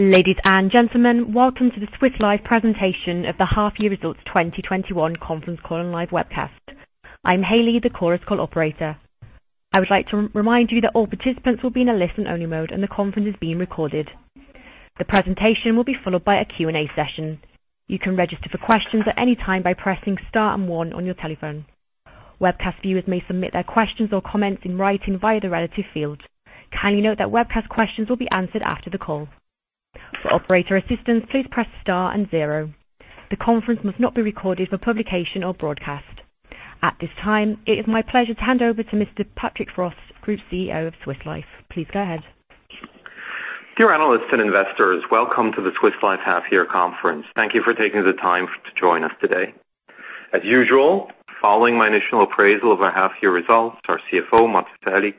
Ladies and gentlemen, welcome to the Swiss Life presentation of the half year results 2021 conference call and live webcast. I'm Hailey, the Conference Call Operator. I would like to remind you that all participants will be in a listen-only mode, and the conference is being recorded. The presentation will be followed by a Q&A session. You can register for questions at any time by pressing star and one on your telephone. Webcast viewers may submit their questions or comments in writing via the relative field. Kindly note that webcast questions will be answered after the call. For operator assistance, please press star and zero. The conference must not be recorded for publication or broadcast. At this time, it is my pleasure to hand over to Mr. Patrick Frost, Group CEO of Swiss Life. Please go ahead. Dear analysts and investors, welcome to the Swiss Life half-year conference. Thank you for taking the time to join us today. As usual, following my initial appraisal of our half-year results, our CFO, Matthias Aellig,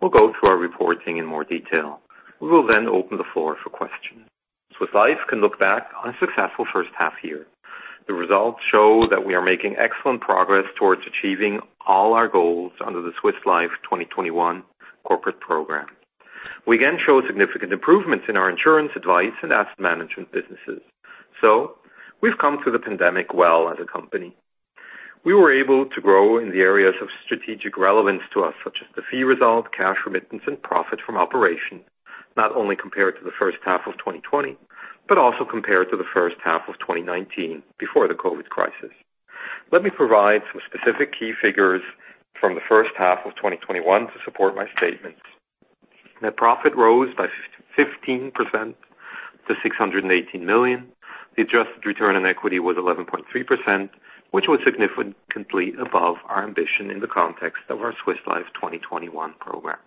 will go through our reporting in more detail. We will open the floor for questions. Swiss Life can look back on a successful H1. The results show that we are making excellent progress towards achieving all our goals under the Swiss Life 2021 corporate program. We again show significant improvements in our insurance advice and asset management businesses. We've come through the pandemic well as a company. We were able to grow in the areas of strategic relevance to us, such as the fee result, cash remittance, and profit from operations. Not only compared to the first half of 2020, but also compared to H1 of 2019 before the COVID crisis. Let me provide some specific key figures from H1 of 2021 to support my statements. Net profit rose by 15% to 618 million. The adjusted return on equity was 11.3%, which was significantly above our ambition in the context of our Swiss Life 2021 program.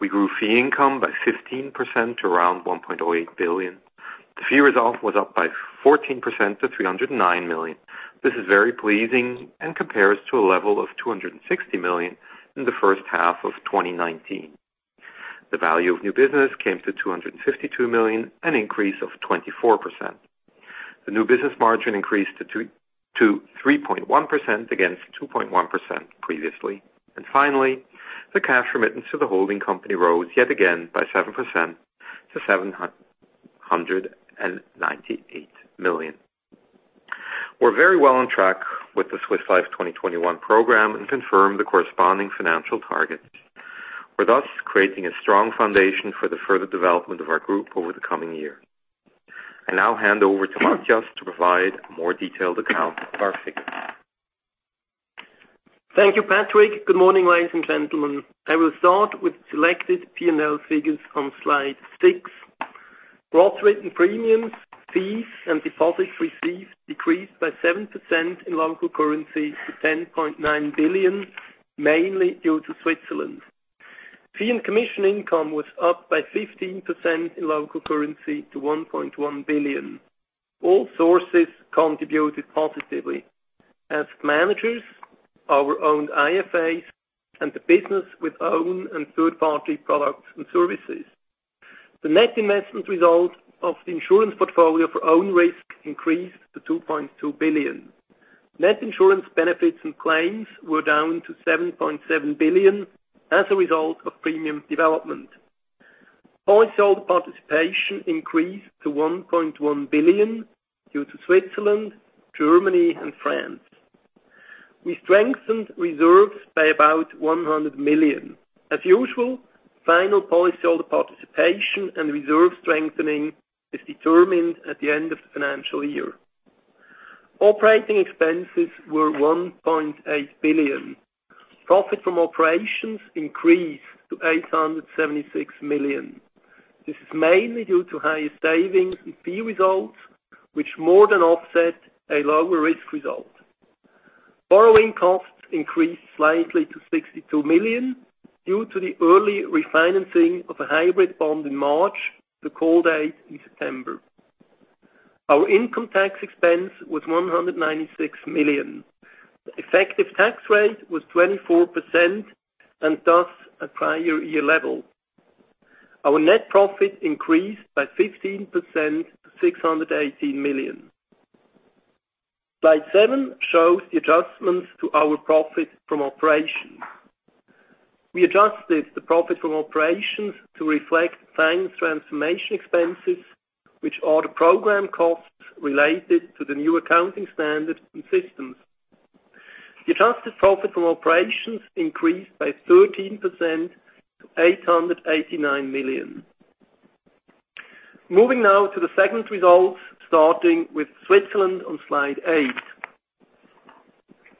We grew fee income by 15% to around 1.08 billion. The fee result was up by 14% to 309 million. This is very pleasing and compares to a level of 260 million in the first half of 2019. The value of new business came to 252 million, an increase of 24%. The new business margin increased to 3.1% against 2.1% previously. Finally, the cash remittance to the holding company rose yet again by 7% to 798 million. We're very well on track with the Swiss Life 2021 program and confirm the corresponding financial targets. We're thus creating a strong foundation for the further development of our group over the coming year. I now hand over to Matthias to provide a more detailed account of our figures. Thank you, Patrick. Good morning, ladies and gentlemen. I will start with selected P&L figures on slide six. Gross written premiums, fees, and deposits received decreased by 7% in local currency to 10.9 billion, mainly due to Switzerland. Fee and commission income was up by 15% in local currency to 1.1 billion. All sources contributed positively. Asset managers, our own IFAs and the business with own and third-party products and services. The net investment result of the insurance portfolio for own risk increased to 2.2 billion. Net insurance benefits and claims were down to 7.7 billion as a result of premium development. Policyholder participation increased to 1.1 billion due to Switzerland, Germany, and France. We strengthened reserves by about 100 million. As usual, final policyholder participation and reserve strengthening is determined at the end of the financial year. Operating expenses were 1.8 billion. Profit from operations increased to 876 million. This is mainly due to higher savings in fee results, which more than offset a lower risk result. Borrowing costs increased slightly to 62 million due to the early refinancing of a hybrid bond in March, the call date in September. Our income tax expense was 196 million. The effective tax rate was 24% and thus a prior year level. Our net profit increased by 15% to 618 million. Slide seven shows the adjustments to our profit from operations. We adjusted the profit from operations to reflect finance transformation expenses, which are the program costs related to the new accounting standards and systems. The adjusted profit from operations increased by 13% to 889 million. Moving now to the segment results, starting with Switzerland on slide eight.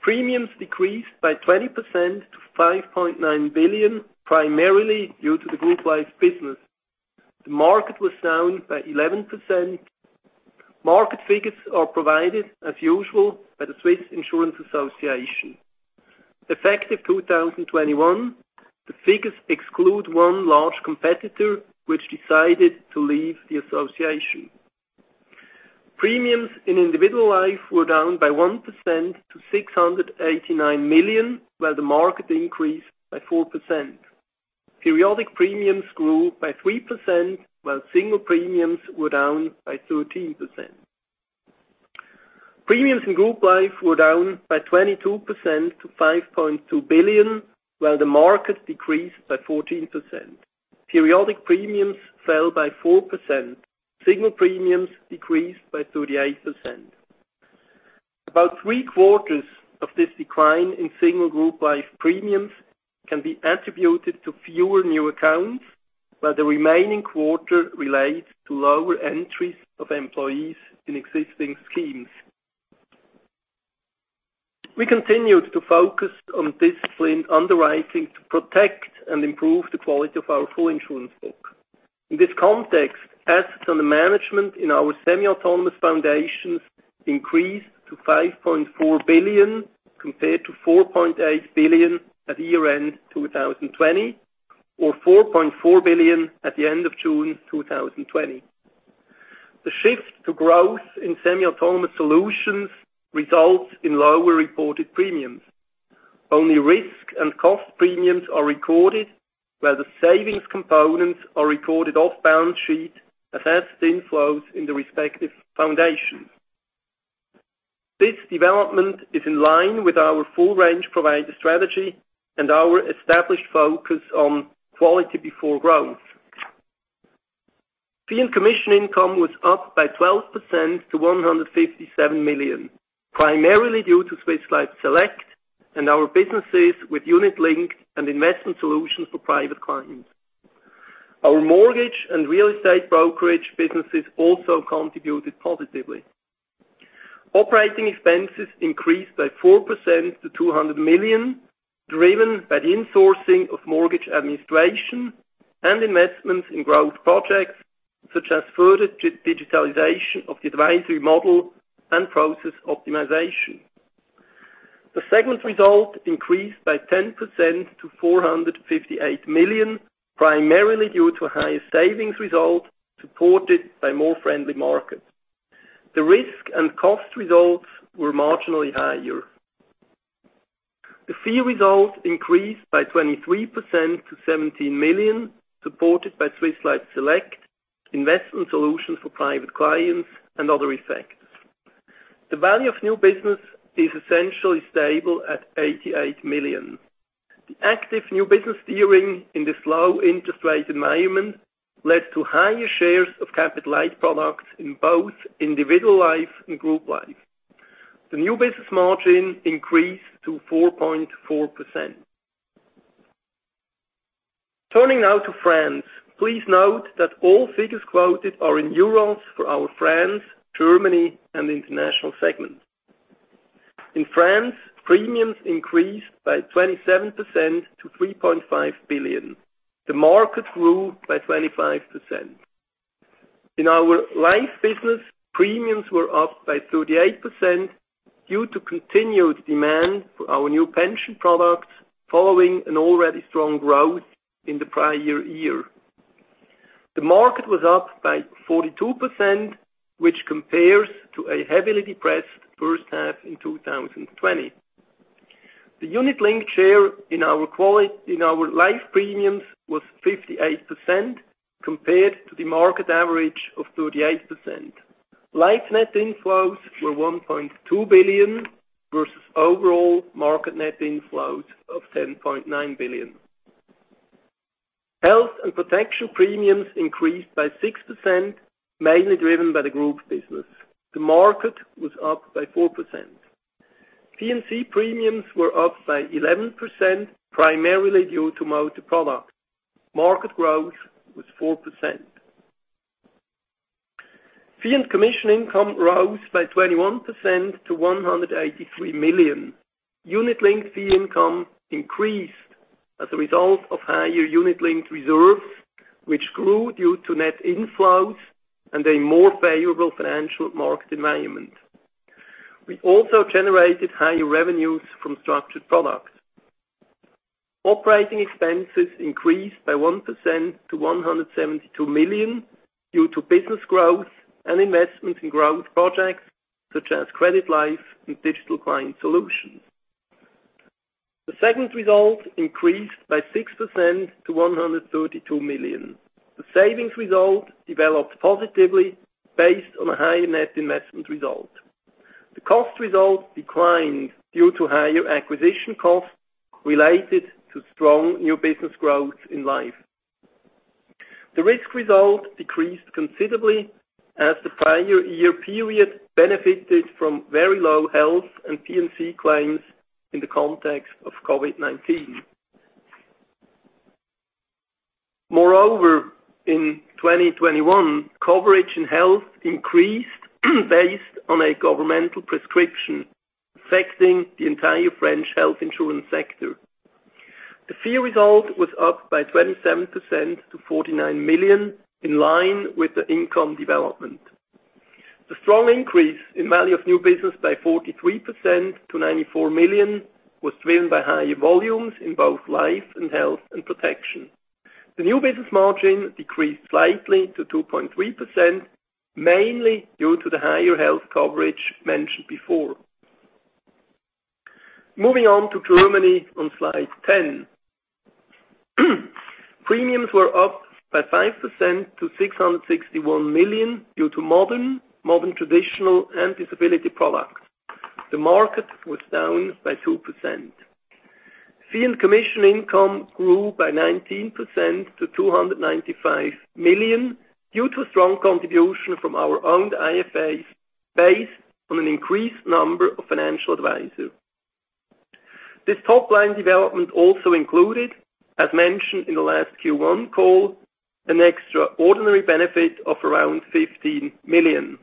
Premiums decreased by 20% to 5.9 billion, primarily due to the group life business. The market was down by 11%. Market figures are provided, as usual, by the Swiss Insurance Association. Effective 2021, the figures exclude one large competitor, which decided to leave the association. Premiums in individual life were down by 1% to 689 million, while the market increased by 4%. Periodic premiums grew by 3%, while single premiums were down by 13%. Premiums in Group Life were down by 22% to 5.2 billion, while the market decreased by 14%. Periodic premiums fell by 4%. Single premiums decreased by 38%. About three quarters of this decline in single Group Life premiums can be attributed to fewer new accounts, while the remaining quarter relates to lower entries of employees in existing schemes. We continued to focus on disciplined underwriting to protect and improve the quality of our full insurance book. In this context, assets under management in our semi-autonomous foundations increased to 5.4 billion, compared to 4.8 billion at year-end 2020, or 4.4 billion at the end of June 2020. The shift to growth in semi-autonomous solutions results in lower reported premiums. Only risk and cost premiums are recorded, where the savings components are recorded off balance sheet as net inflows in the respective foundation. This development is in line with our full range provider strategy and our established focus on quality before growth. Fee and commission income was up by 12% to 157 million, primarily due to Swiss Life Select and our businesses with unit link and investment solutions for private clients. Our mortgage and real estate brokerage businesses also contributed positively. Operating expenses increased by 4% to 200 million, driven by the insourcing of mortgage administration and investments in growth projects, such as further digitalization of the advisory model and process optimization. The segment result increased by 10% to 458 million, primarily due to higher savings result supported by more friendly markets. The risk and cost results were marginally higher. The fee result increased by 23% to 17 million, supported by Swiss Life Select, investment solutions for private clients and other effects. The value of new business is essentially stable at 88 million. The active new business steering in this low interest rate environment led to higher shares of capital life products in both individual life and Group Life. The new business margin increased to 4.4%. Turning now to France. Please note that all figures quoted are in euros for our France, Germany, and the international segment. In France, premiums increased by 27% to 3.5 billion. The market grew by 25%. In our life business, premiums were up by 38% due to continued demand for our new pension products following an already strong growth in the prior year. The market was up by 42%, which compares to a heavily depressed first half in 2020. The unit-linked share in our life premiums was 58%, compared to the market average of 38%. Life net inflows were 1.2 billion, versus overall market net inflows of 10.9 billion. Health and protection premiums increased by 6%, mainly driven by the Group's business. The market was up by 4%. P&C premiums were up by 11%, primarily due to motor products. Market growth was 4%. Fee and commission income rose by 21% to 183 million. Unit-linked fee income increased as a result of higher unit-linked reserves, which grew due to net inflows and a more favorable financial market environment. We also generated higher revenues from structured products. Operating expenses increased by 1% to 172 million due to business growth and investments in growth projects such as Credit Life and digital client solutions. The segment result increased by 6% to 132 million. The savings result developed positively based on a higher net investment result. The cost result declined due to higher acquisition costs related to strong new business growth in Life. The risk result decreased considerably as the prior year period benefited from very low health and P&C claims in the context of COVID-19. Moreover, in 2021, coverage in health increased based on a governmental prescription affecting the entire French health insurance sector. The fee result was up by 27% to 49 million, in line with the income development. The strong increase in value of new business by 43% to 94 million was driven by higher volumes in both Life and Health & Protection. The new business margin decreased slightly to 2.3%, mainly due to the higher health coverage mentioned before. Moving on to Germany on slide 10. Premiums were up by 5% to 661 million due to modern, traditional, and disability products. The market was down by 2%. Fee and commission income grew by 19% to 295 million due to strong contribution from our owned IFAs based on an increased number of financial advisors. This top-line development also included, as mentioned in the last Q1 call, an extraordinary benefit of around 15 million.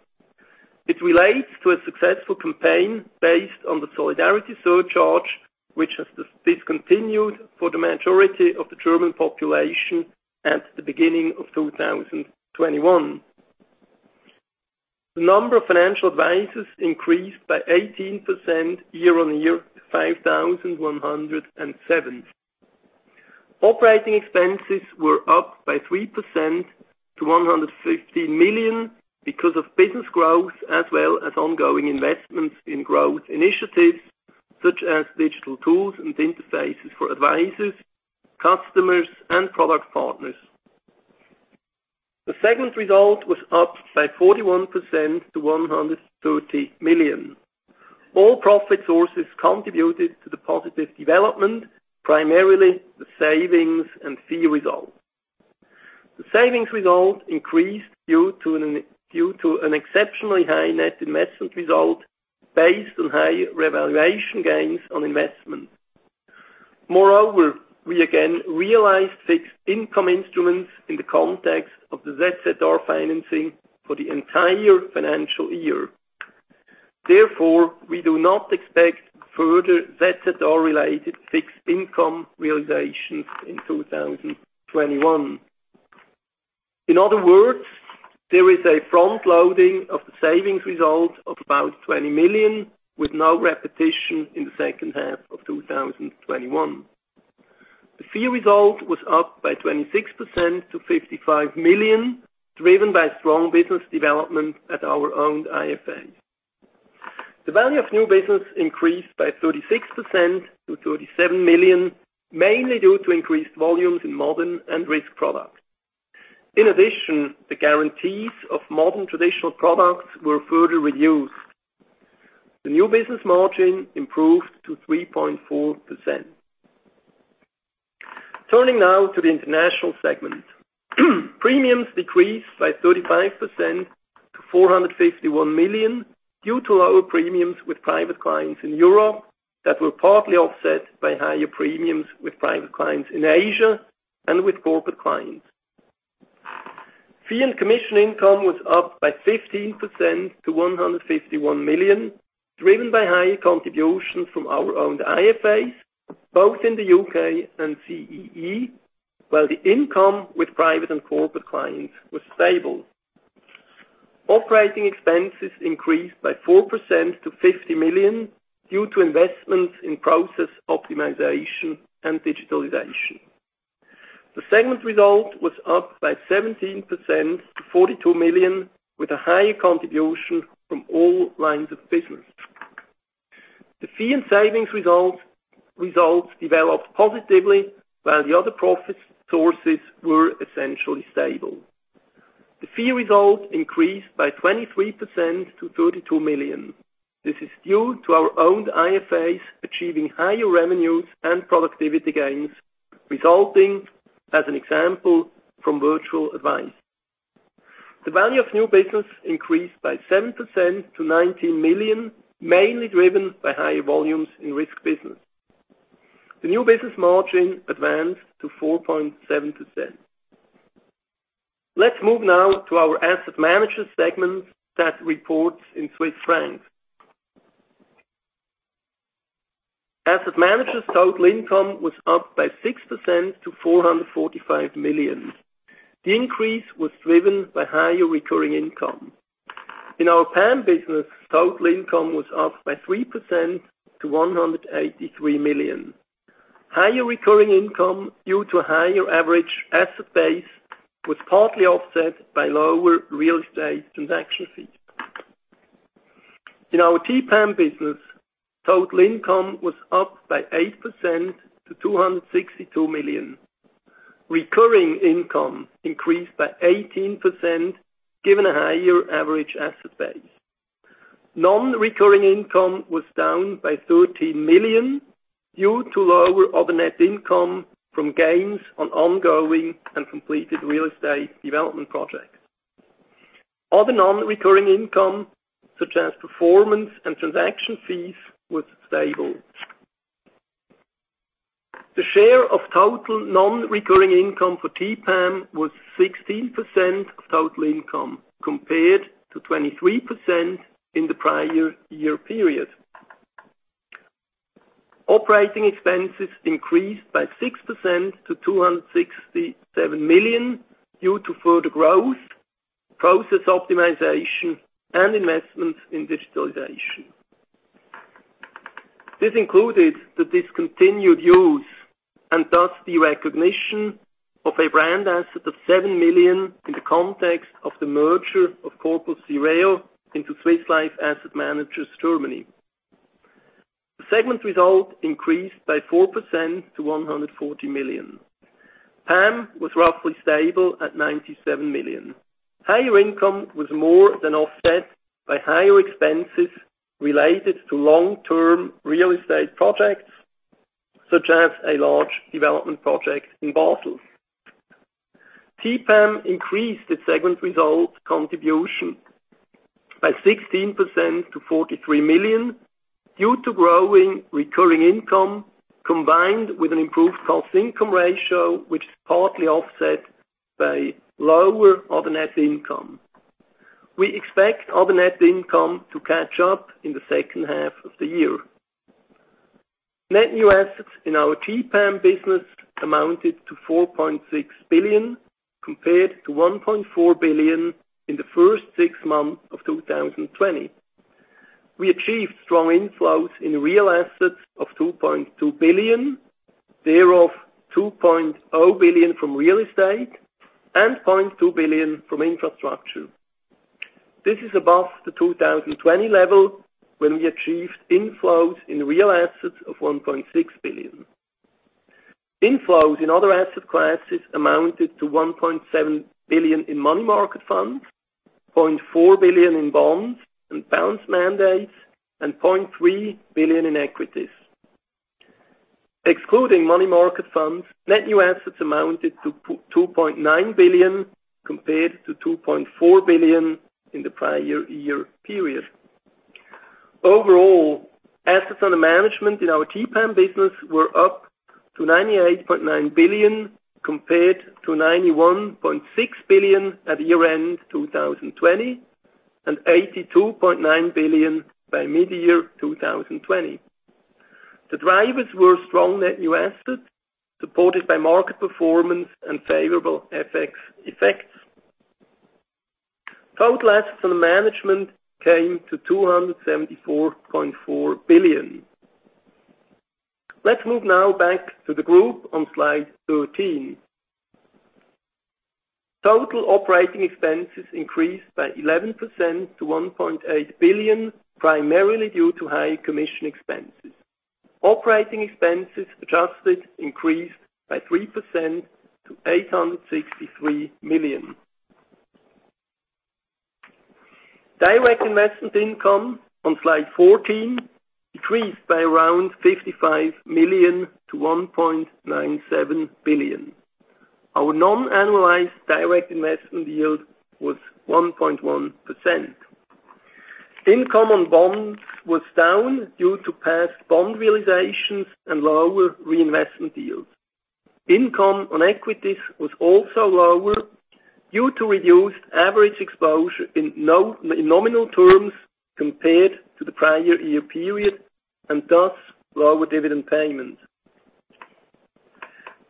It relates to a successful campaign based on the solidarity surcharge, which has discontinued for the majority of the German population at the beginning of 2021. The number of financial advisors increased by 18% year on year to 5,107. Operating expenses were up by 3% to 115 million because of business growth as well as ongoing investments in growth initiatives such as digital tools and interfaces for advisors, customers, and product partners. The segment result was up by 41% to 130 million. All profit sources contributed to the positive development, primarily the savings and fee result. The savings result increased due to an exceptionally high net investment result based on high revaluation gains on investment. We again realized fixed income instruments in the context of the ZZR financing for the entire financial year. We do not expect further ZZR-related fixed income realization in 2021. In other words, there is a front-loading of the savings result of about 20 million, with no repetition in H2 of 2021. The fee result was up by 26% to 55 million, driven by strong business development at our owned IFAs. The value of new business increased by 36% to 37 million, mainly due to increased volumes in modern and risk products. In addition, the guarantees of modern traditional products were further reduced. The new business margin improved to 3.4%. Turning now to the international segment. Premiums decreased by 35% to 451 million due to lower premiums with private clients in Europe that were partly offset by higher premiums with private clients in Asia and with corporate clients. Fee and commission income was up by 15% to 151 million, driven by higher contributions from our owned IFAs, both in the U.K. and CEE, while the income with private and corporate clients was stable. Operating expenses increased by 4% to 50 million due to investments in process optimization and digitalization. The segment result was up by 17% to 42 million, with a higher contribution from all lines of business. The fee and savings results developed positively, while the other profit sources were essentially stable. The fee result increased by 23% to 32 million. This is due to our owned IFAs achieving higher revenues and productivity gains, resulting as an example from virtual advice. The value of new business increased by 7% to 19 million, mainly driven by higher volumes in risk business. The new business margin advanced to 4.7%. Let's move now to our Asset Managers segment that reports in Swiss francs. Asset Managers' total income was up by 6% to 445 million. The increase was driven by higher recurring income. In our PAM business, total income was up by 3% to 183 million. Higher recurring income due to a higher average asset base was partly offset by lower real estate transaction fees. In our TPAM business, total income was up by 8% to 262 million. Recurring income increased by 18%, given a higher average asset base. Non-recurring income was down by 13 million due to lower other net income from gains on ongoing and completed real estate development projects. Other non-recurring income, such as performance and transaction fees, was stable. The share of total non-recurring income for TPAM was 16% of total income compared to 23% in the prior year period. Operating expenses increased by 6% to 267 million due to further growth, process optimization, and investments in digitalization. This included the discontinued use and thus derecognition of a brand asset of 7 million in the context of the merger of Corpus Sireo into Swiss Life Asset Managers Germany. The segment result increased by 4% to 140 million. PAM was roughly stable at 97 million. Higher income was more than offset by higher expenses related to long-term real estate projects, such as a large development project in Basel. TPAM increased its segment results contribution by 16% to 43 million, due to growing recurring income, combined with an improved cost-income ratio, which is partly offset by lower other net income. We expect other net income to catch up in H2 of the year. Net new assets in our TPAM business amounted to 4.6 billion, compared to 1.4 billion in the first six months of 2020. We achieved strong inflows in real assets of 2.2 billion, thereof 2.0 billion from real estate and 0.2 billion from infrastructure. This is above the 2020 level, when we achieved inflows in real assets of 1.6 billion. Inflows in other asset classes amounted to 1.7 billion in money market funds, 0.4 billion in bonds and balanced mandates, and 0.3 billion in equities. Excluding money market funds, net new assets amounted to 2.9 billion, compared to 2.4 billion in the prior year period. Overall, assets under management in our TPAM business were up to 98.9 billion, compared to 91.6 billion at year-end 2020, and 82.9 billion by mid-year 2020. The drivers were strong net new assets, supported by market performance and favorable FX effects. Total Assets Under Management came to 274.4 billion. Let's move now back to the group on Slide 13. Total operating expenses increased by 11% to 1.8 billion, primarily due to high commission expenses. Operating expenses adjusted increased by 3% to 863 million. Direct investment income, on Slide 14, decreased by around 55 million to 1.97 billion. Our non-annualized direct investment yield was 1.1%. Income on bonds was down due to past bond realizations and lower reinvestment yields. Income on equities was also lower due to reduced average exposure in nominal terms compared to the prior year period, and thus lower dividend payments.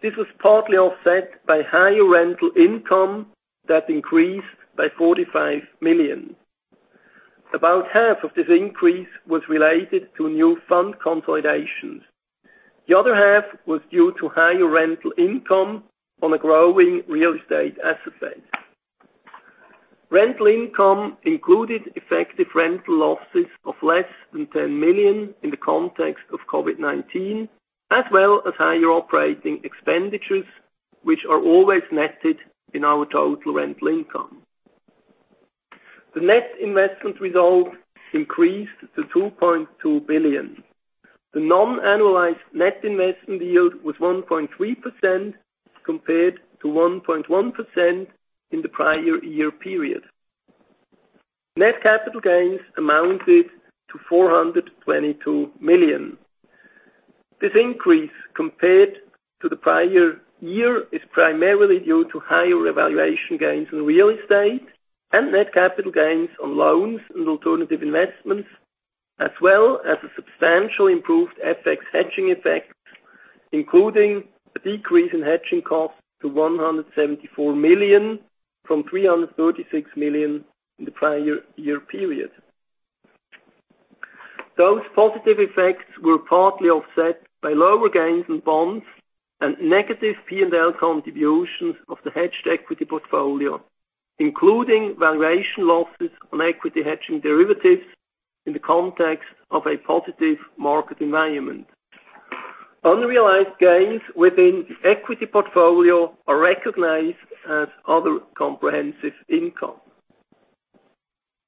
This was partly offset by higher rental income that increased by 45 million. About half of this increase was related to new fund consolidations. The other half was due to higher rental income on a growing real estate asset base. Rental income included effective rental losses of less than 10 million in the context of COVID-19, as well as higher operating expenditures, which are always netted in our total rental income. The net investment result increased to 2.2 billion. The non-annualized net investment yield was 1.3%, compared to 1.1% in the prior year period. Net capital gains amounted to 422 million. This increase, compared to the prior year, is primarily due to higher revaluation gains in real estate and net capital gains on loans and alternative investments, as well as a substantially improved FX hedging effect, including a decrease in hedging cost to 174 million from 336 million in the prior year period. Those positive effects were partly offset by lower gains on bonds and negative P&L contributions of the hedged equity portfolio, including valuation losses on equity hedging derivatives in the context of a positive market environment. Unrealized gains within the equity portfolio are recognized as other comprehensive income.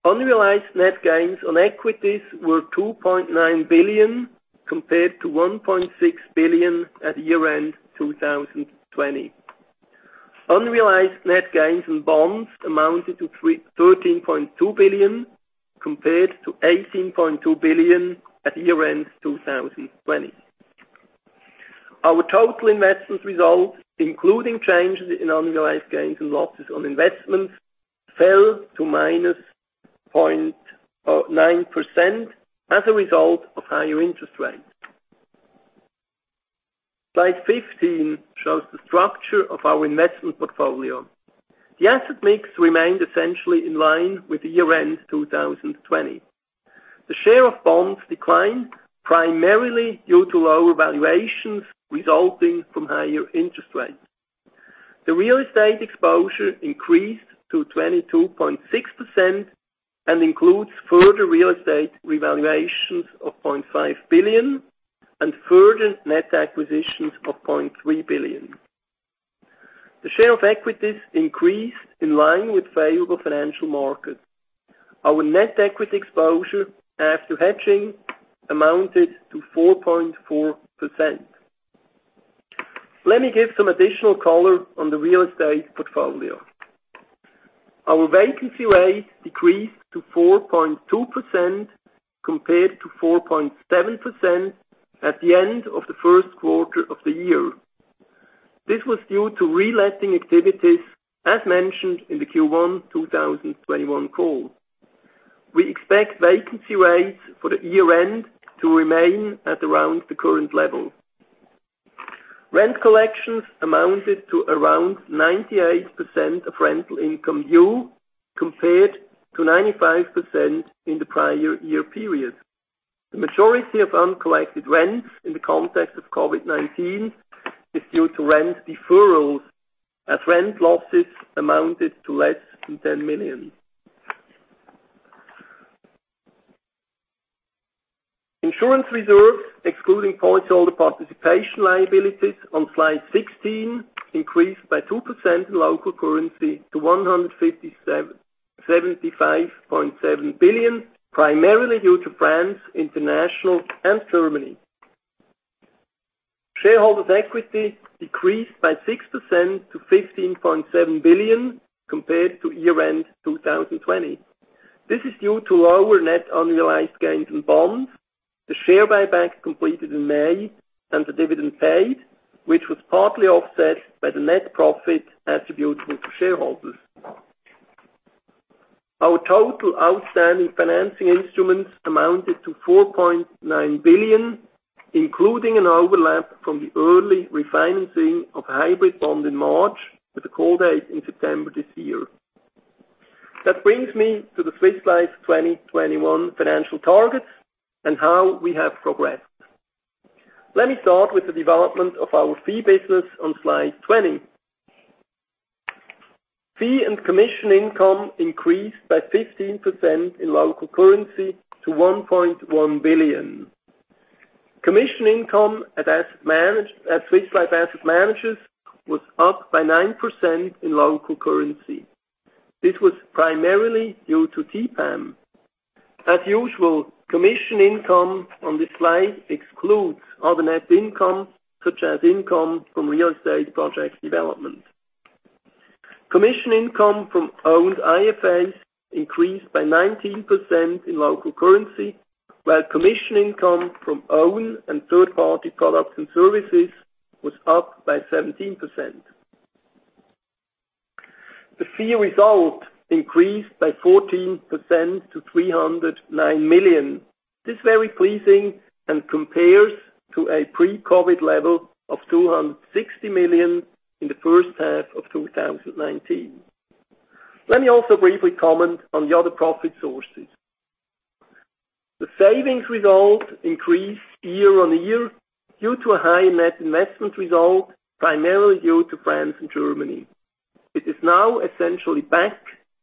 Unrealized net gains on equities were 2.9 billion, compared to 1.6 billion at year-end 2020. Unrealized net gains on bonds amounted to 13.2 billion, compared to 18.2 billion at year-end 2020. Our total investment results, including changes in unrealized gains and losses on investments, fell to minus 0.9% as a result of higher interest rates. Slide 15 shows the structure of our investment portfolio. The asset mix remained essentially in line with the year-end 2020. The share of bonds declined, primarily due to lower valuations resulting from higher interest rates. The real estate exposure increased to 22.6% and includes further real estate revaluations of 0.5 billion and further net acquisitions of 0.3 billion. The share of equities increased in line with favorable financial markets. Our net equity exposure after hedging amounted to 4.4%. Let me give some additional color on the real estate portfolio. Our vacancy rate decreased to 4.2% compared to 4.7% at the end of the first quarter of the year. This was due to reletting activities, as mentioned in the Q1 2021 call. We expect vacancy rates for the year-end to remain at around the current level. Rent collections amounted to around 98% of rental income due, compared to 95% in the prior year period. The majority of uncollected rent in the context of COVID-19 is due to rent deferrals, as rent losses amounted to less than 10 million. Insurance reserves, excluding policyholder participation liabilities on Slide 16, increased by 2% in local currency to 157.75 billion, primarily due to France, International, and Germany. Shareholders' equity decreased by 6% to 15.7 billion compared to year-end 2020. This is due to lower net unrealized gains in bonds, the share buyback completed in May, and the dividend paid, which was partly offset by the net profit attributable to shareholders. Our total outstanding financing instruments amounted to 4.9 billion, including an overlap from the early refinancing of hybrid bond in March with a call date in September this year. That brings me to the Swiss Life 2021 financial targets and how we have progressed. Let me start with the development of our fee business on Slide 20. Fee and commission income increased by 15% in local currency to 1.1 billion. Commission income at Swiss Life Asset Managers was up by 9% in local currency. This was primarily due to TPAM. As usual, commission income on this slide excludes other net income, such as income from real estate project development. Commission income from owned IFAs increased by 19% in local currency, while commission income from own and third-party products and services was up by 17%. The fee result increased by 14% to 309 million. This is very pleasing and compares to a pre-COVID level of 260 million in the first half of 2019. Let me also briefly comment on the other profit sources. The savings result increased year on year due to a high net investment result, primarily due to France and Germany. It is now essentially back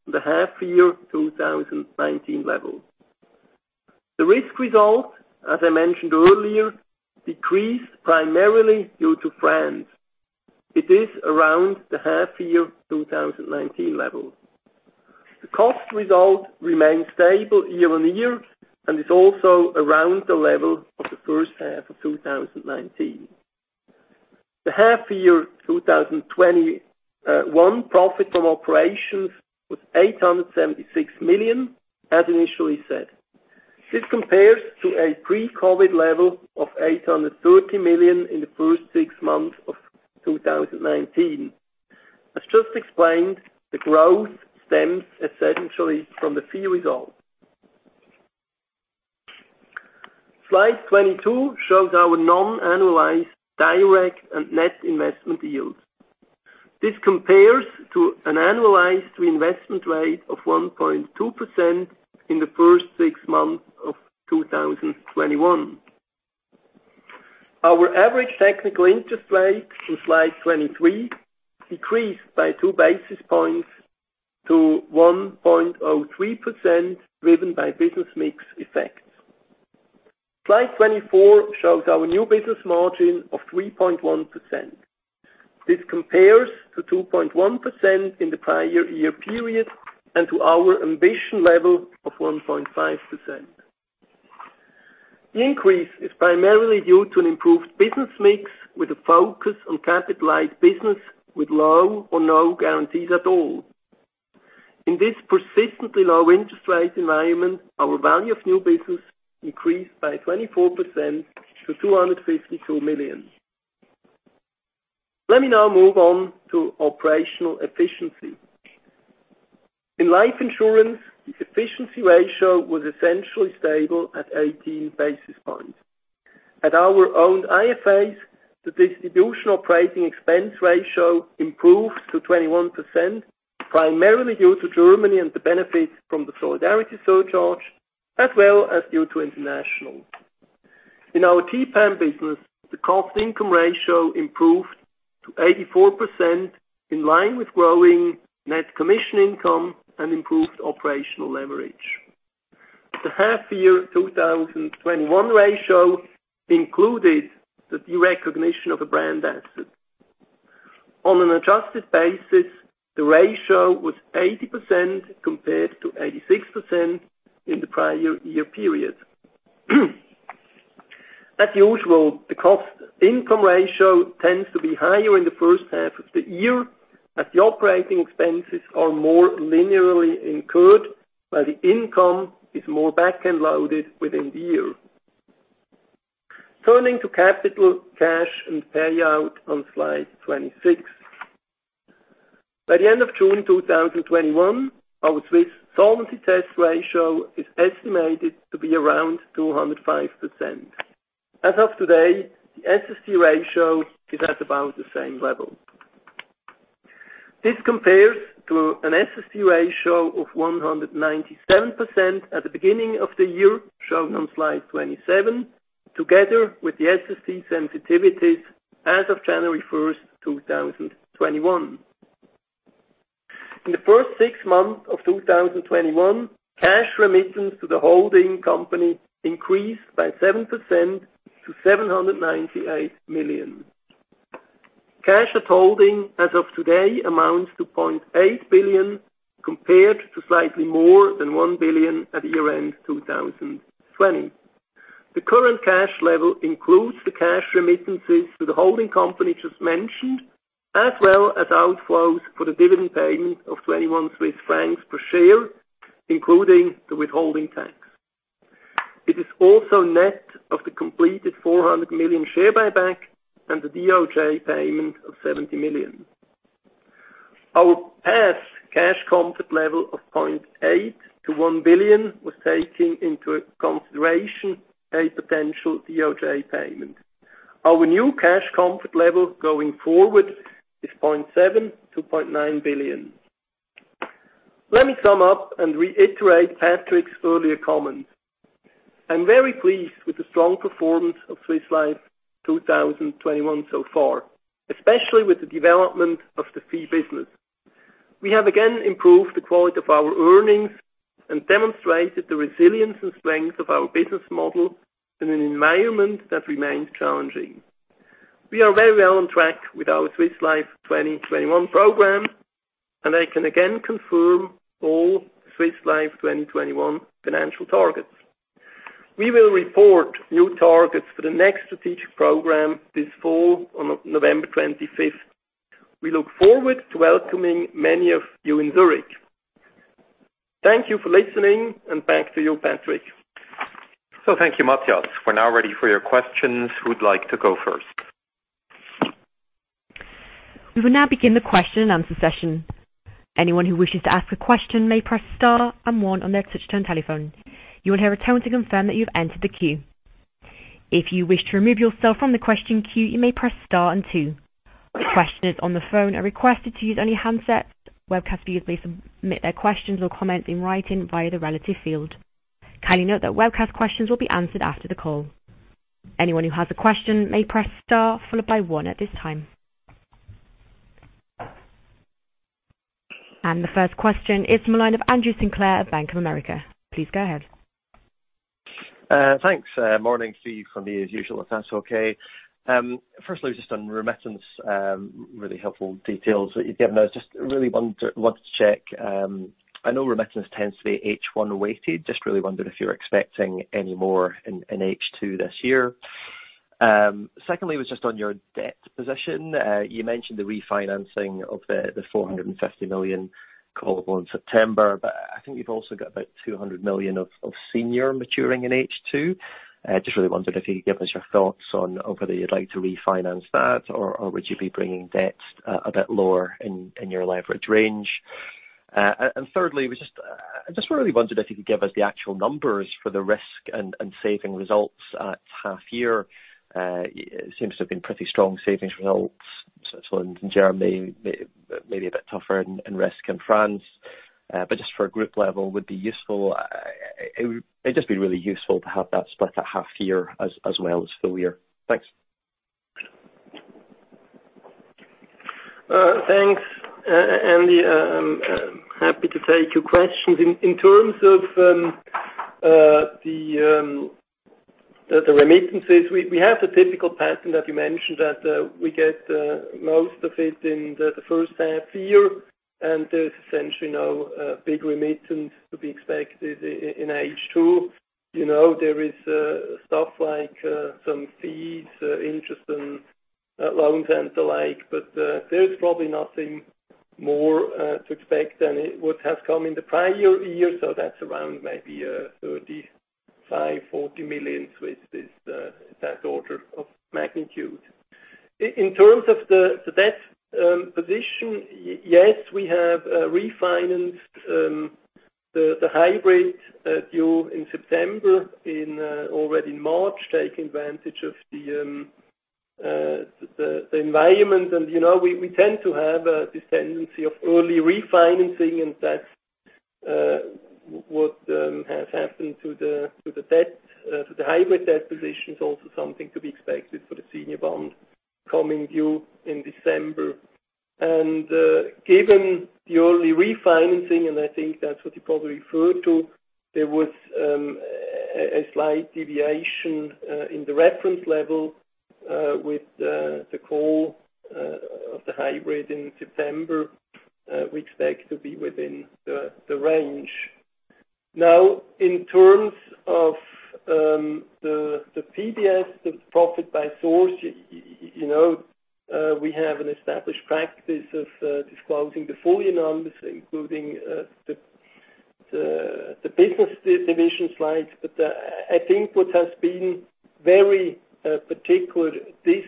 in the half-year 2019 level. The risk result, as I mentioned earlier, decreased primarily due to France. It is around the half-year 2019 level. The cost result remained stable year on year and is also around the level of the first half of 2019. The half year 2021 profit from operations was 876 million, as initially said. This compares to a pre-COVID level of 830 million in the first six months of 2019. As just explained, the growth stems essentially from the fee result. Slide 22 shows our non-annualized direct and net investment yields. This compares to an annualized reinvestment rate of 1.2% in the first six months of 2021. Our average technical interest rate in Slide 23 decreased by 2 basis points to 1.03%, driven by business mix effects. Slide 24 shows our new business margin of 3.1%. This compares to 2.1% in the prior year period and to our ambition level of 1.5%. The increase is primarily due to an improved business mix with a focus on capital light business with low or no guarantees at all. In this persistently low interest rate environment, our value of new business increased by 24% to 252 million. Let me now move on to operational efficiency. In life insurance, the efficiency ratio was essentially stable at 18 basis points. At our owned IFAs, the distribution operating expense ratio improved to 21%, primarily due to Germany and the benefits from the solidarity surcharge, as well as due to International. In our TPAM business, the cost-income ratio improved to 84%, in line with growing net commission income and improved operational leverage. The half year 2021 ratio included the derecognition of a brand asset. On an adjusted basis, the ratio was 80% compared to 86% in the prior year period. As usual, the cost-income ratio tends to be higher in H1 of the year as the operating expenses are more linearly incurred, while the income is more back-end loaded within the year. Turning to capital cash and payout on slide 26. By the end of June 2021, our Swiss Solvency Test ratio is estimated to be around 205%. As of today, the SST ratio is at about the same level. This compares to an SST ratio of 197% at the beginning of the year, shown on slide 27, together with the SST sensitivities as of January 1, 2021. In the first six months of 2021, cash remittance to the holding company increased by 7% to 798 million. Cash at holding as of today amounts to 0.8 billion compared to slightly more than 1 billion at year-end 2020. The current cash level includes the cash remittances to the holding company just mentioned, as well as outflows for the dividend payment of 21 Swiss francs per share, including the withholding tax. It is also net of the completed 400 million share buyback and the DOJ payment of 70 million. Our past cash comfort level of 0.8 billion-1 billion was taking into consideration a potential DOJ payment. Our new cash comfort level going forward is 0.7 billion-0.9 billion. Let me sum up and reiterate Patrick's earlier comments. I'm very pleased with the strong performance of Swiss Life 2021 so far, especially with the development of the fee business. We have again improved the quality of our earnings and demonstrated the resilience and strength of our business model in an environment that remains challenging. We are very well on track with our Swiss Life 2021 program, and I can again confirm all Swiss Life 2021 financial targets. We will report new targets for the next strategic program this fall on November 25th. We look forward to welcoming many of you in Zurich. Thank you for listening, and back to you, Patrick. Thank you, Matthias. We're now ready for your questions. Who'd like to go first? The first question is from the line of Andrew Sinclair of Bank of America. Please go ahead. Thanks. Morning to you from me as usual, if that's okay. Just on remittance, really helpful details that you've given. I just really wanted to check. I know remittance tends to be H1 weighted. Just really wondered if you're expecting any more in H2 this year. Was just on your debt position. You mentioned the refinancing of the 450 million call on September, but I think you've also got about 200 million of senior maturing in H2. Just really wondered if you could give us your thoughts on whether you'd like to refinance that or would you be bringing debts a bit lower in your leverage range. I just really wondered if you could give us the actual numbers for the risk and savings results at half year. It seems to have been pretty strong savings result, Switzerland and Germany, maybe a bit tougher in risk result in France. Just for a group level would be useful. It'd just be really useful to have that split at half year as well as full year. Thanks. Thanks, Andy. Happy to take your questions. In terms of the remittances, we have the typical pattern that you mentioned, that we get most of it in the first half year, and there's essentially no big remittance to be expected in H2. There is stuff like some fees, interest, and loans and the like. There's probably nothing more to expect than what has come in the prior year. That's around maybe 35 million-40 million is that order of magnitude. In terms of the debt position, yes, we have refinanced the hybrid due in September in already March, taking advantage of the environment. We tend to have a tendency of early refinancing, and that's what has happened to the hybrid debt position is also something to be expected for the senior bond coming due in December. Given the early refinancing, and I think that's what you probably refer to, there was a slight deviation in the reference level with the call of the hybrid in September. We expect to be within the range. In terms of the PBS, the profit by source, we have an established practice of disclosing the full year numbers, including the business division slides. I think what has been very particular this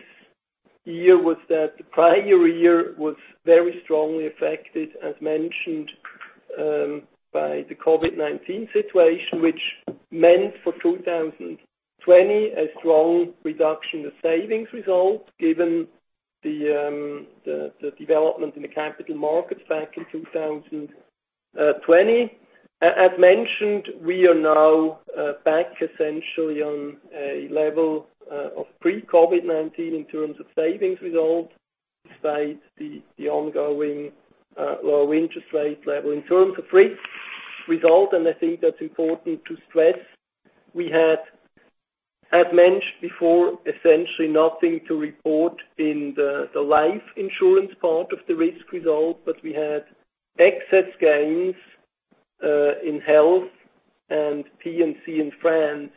year was that the prior year was very strongly affected, as mentioned, by the COVID-19 situation, which meant for 2020, a strong reduction in the savings result, given the development in the capital markets back in 2020. As mentioned, we are now back essentially on a level of pre-COVID-19 in terms of savings result, despite the ongoing low interest rate level. In terms of risk result, and I think that's important to stress, we had, as mentioned before, essentially nothing to report in the life insurance part of the risk result, but we had excess gains in health and P&C in France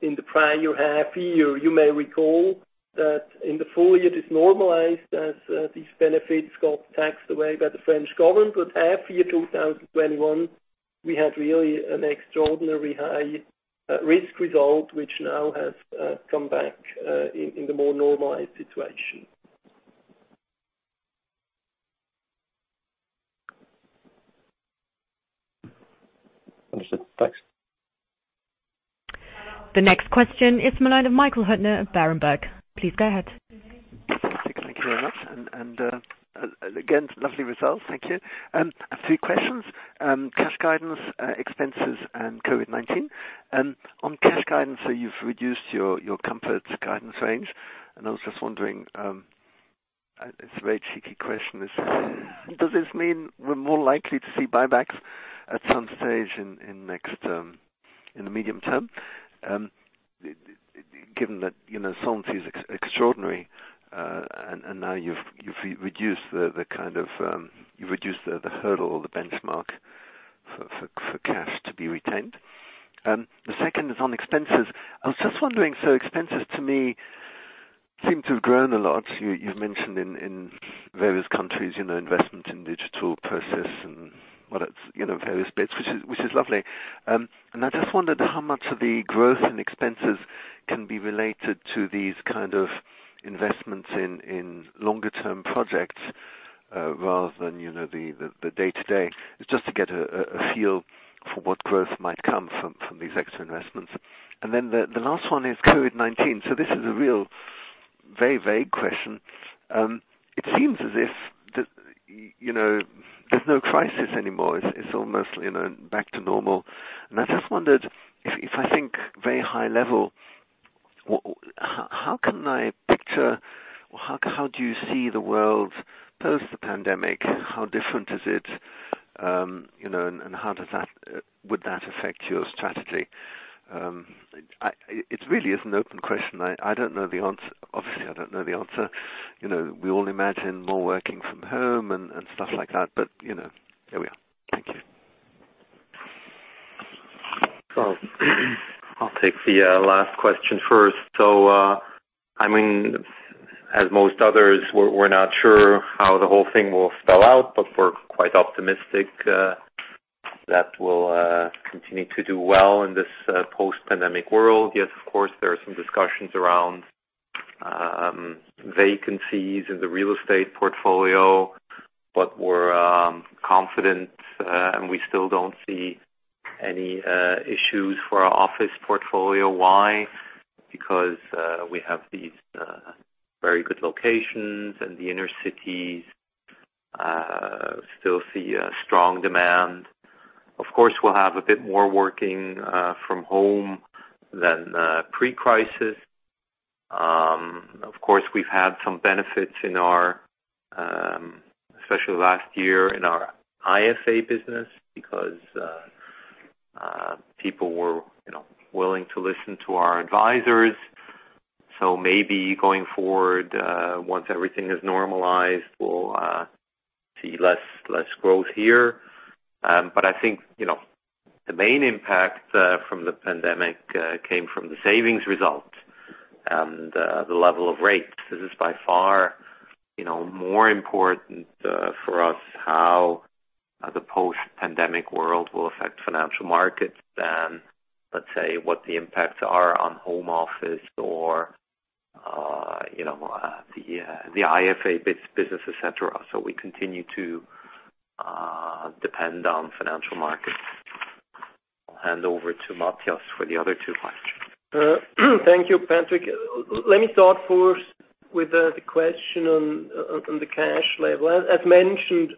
in the prior half year. You may recall that in the full year, it is normalized as these benefits got taxed away by the French government. Half year 2021, we had really an extraordinarily high risk result, which now has come back in the more normalized situation. Understood. Thanks. The next question is the line of Michael Huttner of Berenberg. Please go ahead. Thank you very much. Lovely results. Thank you. A few questions. Cash guidance, expenses, and COVID-19. On cash guidance, you've reduced your comfort guidance range. I was just wondering, it's a very cheeky question. Does this mean we're more likely to see buybacks at some stage in the medium term? Given that Solvency is extraordinary, now you've reduced the hurdle or the benchmark for cash to be retained. The second is on expenses. I was just wondering, expenses to me seem to have grown a lot. You've mentioned in various countries, investment in digital processes and various bits, which is lovely. I just wondered how much of the growth and expenses can be related to these kind of investments in longer term projects, rather than the day-to-day. It's just to get a feel for what growth might come from these extra investments. Then the last one is COVID-19. This is a real very vague question. It seems as if there's no crisis anymore. It's almost back to normal. I just wondered if I think very high level, how can I picture or how do you see the world post the pandemic? How different is it? How would that affect your strategy? It really is an open question. Obviously, I don't know the answer. We all imagine more working from home and stuff like that, but there we are. Thank you. I'll take the last question first. As most others, we're not sure how the whole thing will spell out, but we're quite optimistic that we'll continue to do well in this post-pandemic world. Yes, of course, there are some discussions around vacancies in the real estate portfolio, but we're confident, and we still don't see any issues for our office portfolio. Why? Because we have these very good locations in the inner cities. Still see a strong demand. Of course, we'll have a bit more working from home than pre-crisis. Of course, we've had some benefits, especially last year, in our IFA business because people were willing to listen to our advisors. Maybe going forward, once everything is normalized, we'll see less growth here. I think the main impact from the pandemic came from the savings result and the level of rates. This is by far more important for us how the post-pandemic world will affect financial markets than, let's say, what the impacts are on home office or the IFA business, et cetera. We continue to depend on financial markets. I'll hand over to Matthias for the other 2 questions. Thank you, Patrick. Let me start first with the question on the cash level. As mentioned,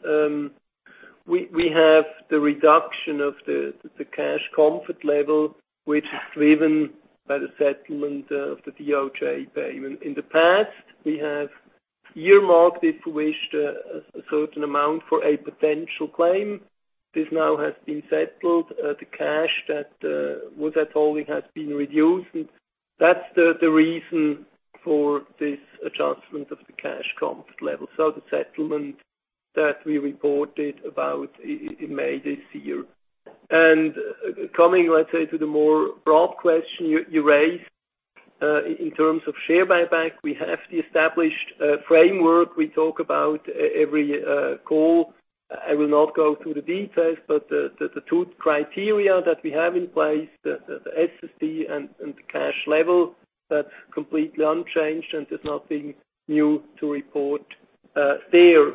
we have the reduction of the cash comfort level, which is driven by the settlement of the DOJ payment. In the past, we have earmarked, if you wish, a certain amount for a potential claim. This now has been settled. The cash that was at holding has been reduced, and that's the reason for this adjustment of the cash comfort level. The settlement that we reported about in May this year. Coming, let's say, to the more broad question you raised, in terms of share buyback, we have the established framework we talk about every call. I will not go through the details, but the two criteria that we have in place, the SST and the cash level, that's completely unchanged, and there's nothing new to report there.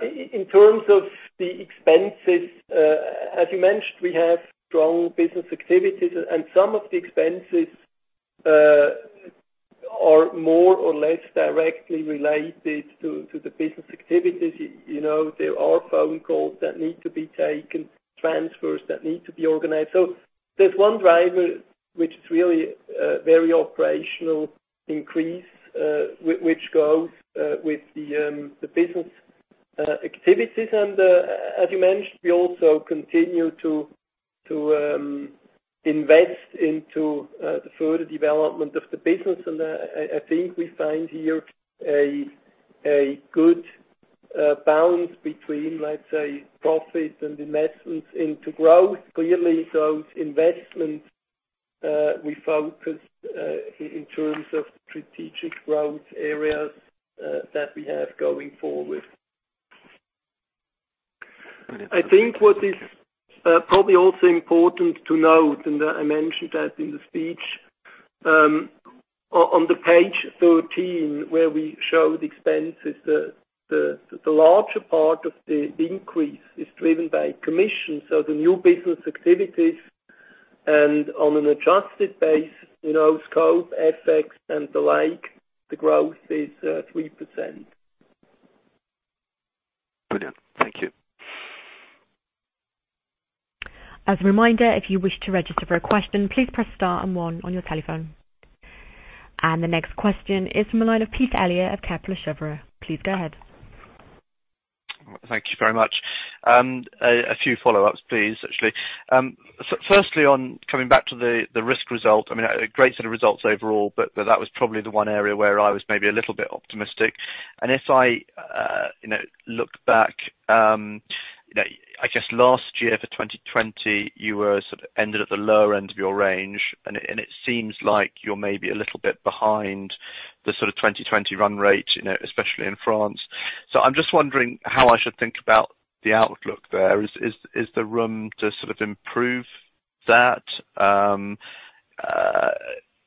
In terms of the expenses, as you mentioned, we have strong business activities, and some of the expenses are more or less directly related to the business activities. There are phone calls that need to be taken, transfers that need to be organized. There's one driver, which is really a very operational increase, which goes with the business activities. As you mentioned, we also continue to invest into the further development of the business. I think we find here a good balance between, let's say, profit and investments into growth. Clearly, those investments we focus in terms of strategic growth areas that we have going forward. I think what is probably also important to note, and I mentioned that in the speech, on page 13 where we show the expenses, the larger part of the increase is driven by commission, so the new business activities, and on an adjusted base, scope, FX and the like, the growth is 3%. Brilliant. Thank you. As a reminder, if you wish to register for a question, please press star and one on your telephone. The next question is from the line of Peter Elliott of Kepler Cheuvreux. Please go ahead. Thank you very much. A few follow-ups, please, actually. Firstly, on coming back to the risk result. A great set of results overall, but that was probably the one area where I was maybe a little bit optimistic. If I look back, I guess last year for 2020, you were sort of ended at the lower end of your range, and it seems like you're maybe a little bit behind the sort of 2020 run rate, especially in France. I'm just wondering how I should think about the outlook there. Is the room to sort of improve that?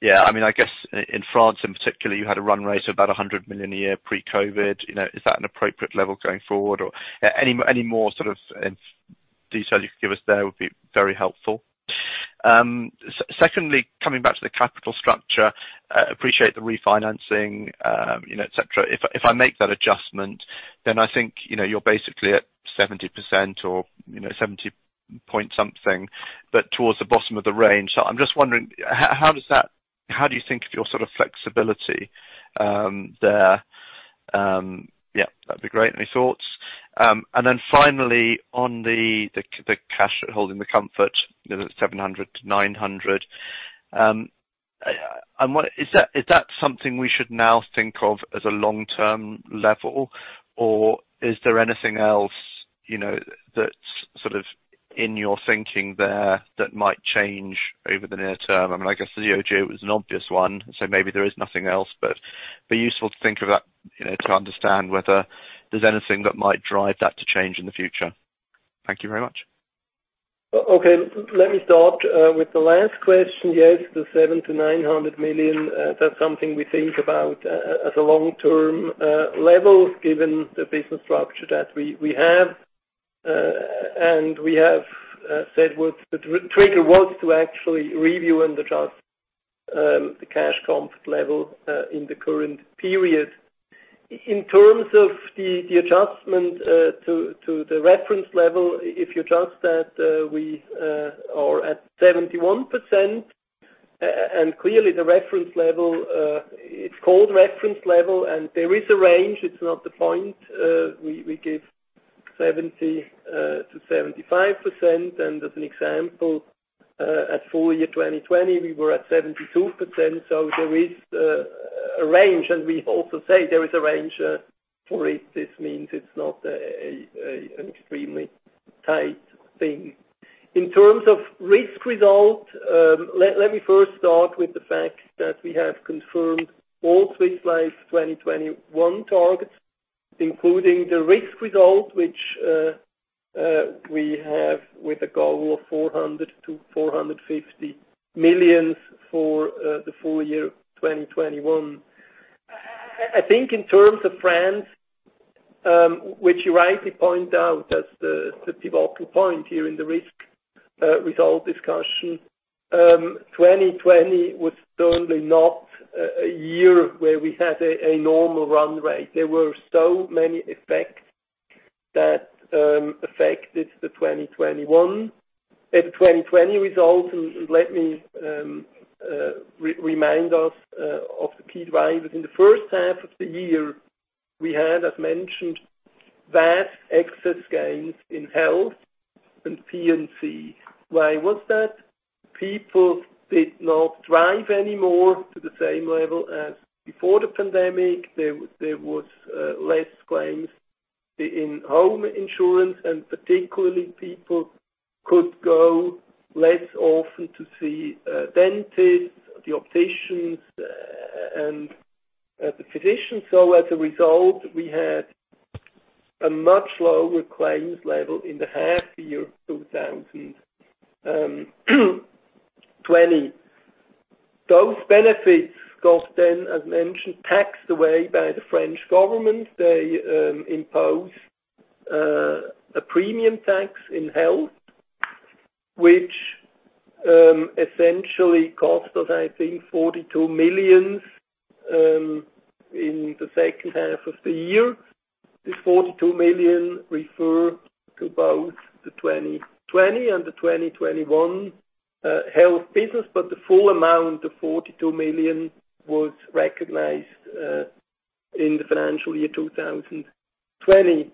I guess in France in particular, you had a run rate of about 100 million a year pre-COVID. Is that an appropriate level going forward? Any more sort of detail you could give us there would be very helpful. Coming back to the capital structure, appreciate the refinancing, et cetera. If I make that adjustment, I think you're basically at 70% or 70 point something, towards the bottom of the range. I'm just wondering, how do you think of your sort of flexibility there? Yeah, that'd be great. Any thoughts? Finally, on the cash holding, the comfort, the 700-900. Is that something we should now think of as a long-term level? Is there anything else that's sort of in your thinking there that might change over the near term? I guess the DOJ was an obvious one, maybe there is nothing else. It'd be useful to think of that to understand whether there's anything that might drive that to change in the future. Thank you very much. Okay. Let me start with the last question. Yes, the 700 million-900 million, that's something we think about as a long-term level given the business structure that we have. We have said the trigger was to actually review and adjust the cash comfort level in the current period. In terms of the adjustment to the reference level, if you adjust that, we are at 71%. Clearly the reference level, it's called reference level, and there is a range. It's not the point. We give 70%-75%. As an example, at full year 2020, we were at 72%. There is a range, and we also say there is a range for it. This means it's not an extremely tight thing. In terms of risk result, let me first start with the fact that we have confirmed all Swiss Life 2021 targets, including the risk result, which we have with a goal of 400 million to 450 million for the full year 2021. I think in terms of France, which you rightly point out as the pivotal point here in the risk result discussion, 2020 was certainly not a year where we had a normal run rate. There were so many effects that affected the 2020 results. Let me remind us of the key drivers. In the first half of the year, we had, as mentioned, vast excess gains in health and P&C. Why was that? People did not drive anymore to the same level as before the pandemic. There was less claims in home insurance, and particularly people could go less often to see dentists, the opticians, and the physicians. As a result, we had a much lower claims level in the half year 2020. Those benefits got then, as mentioned, taxed away by the French government. They imposed a premium tax in health, which essentially cost us, I think, 42 million in the second half of the year. This 42 million refer to both the 2020 and the 2021 health business, but the full amount of 42 million was recognized in the financial year 2020.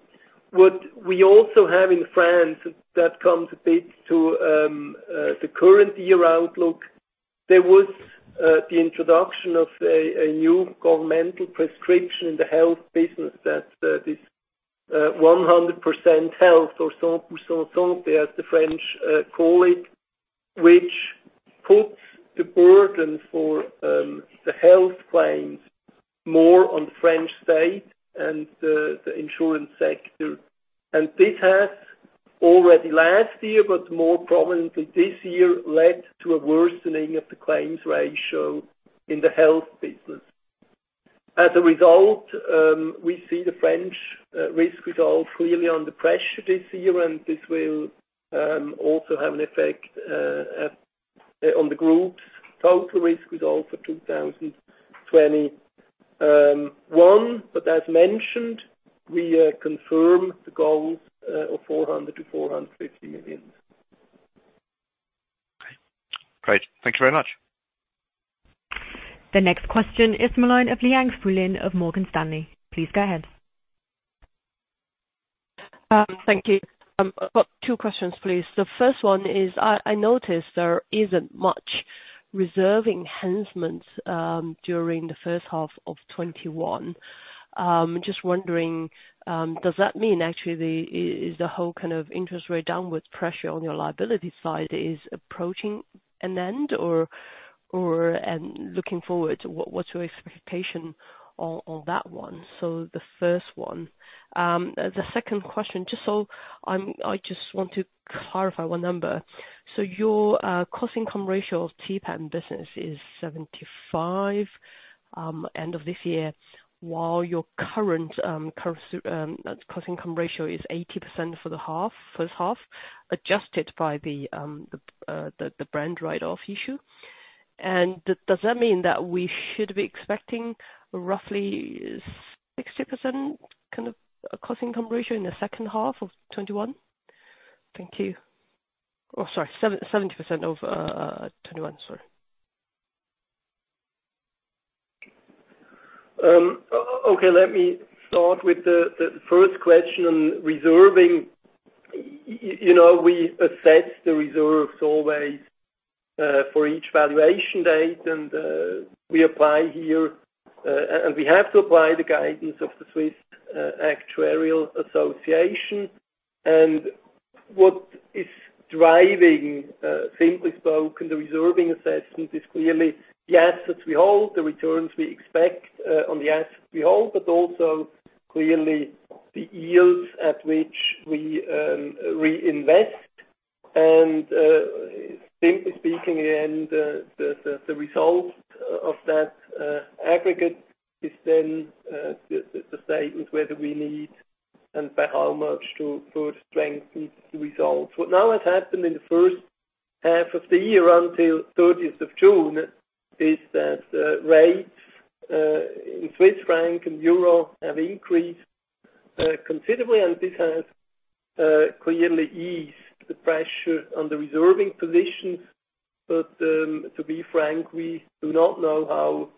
What we also have in France that comes a bit to the current year outlook, there was the introduction of a new governmental prescription in the health business that this 100% Santé or as the French call it, which puts the burden for the health claims more on the French state and the insurance sector. This has already last year, but more prominently this year, led to a worsening of the claims ratio in the health business. As a result, we see the French risk result clearly under pressure this year, this will also have an effect on the group's total risk result for 2021. As mentioned, we confirm the goals of 400 million-450 million. Great. Thanks very much. The next question is the line of Fulin Liang of Morgan Stanley. Please go ahead. Thank you. I've got two questions, please. The first one is, I noticed there isn't much reserve enhancements during H1 of 2021. Just wondering, does that mean actually is the whole interest rate downwards pressure on your liability side is approaching an end? Looking forward, what's your expectation on that one? The first one. Your cost-income ratio of TPAM business is 75% end of this year, while your current cost-income ratio is 80% for the first half, adjusted by the brand write-off issue. Does that mean that we should be expecting roughly 60% cost-income ratio in H2 of 2021? Thank you. Oh, sorry, 70% of 2021, sorry. Okay. Let me start with the first question on reserving. We assess the reserves always for each valuation date, and we have to apply the guidance of the Swiss Association of Actuaries. What is driving, simply spoken, the reserving assessment is clearly the assets we hold, the returns we expect on the assets we hold, but also clearly the yields at which we reinvest. Simply speaking, in the end, the result of that aggregate is then the statement whether we need, and by how much, to further strengthen the results. What now has happened in H1 of the year until 30th of June is that rates in Swiss franc and euro have increased considerably, and this has clearly eased the pressure on the reserving positions. To be frank, we do not know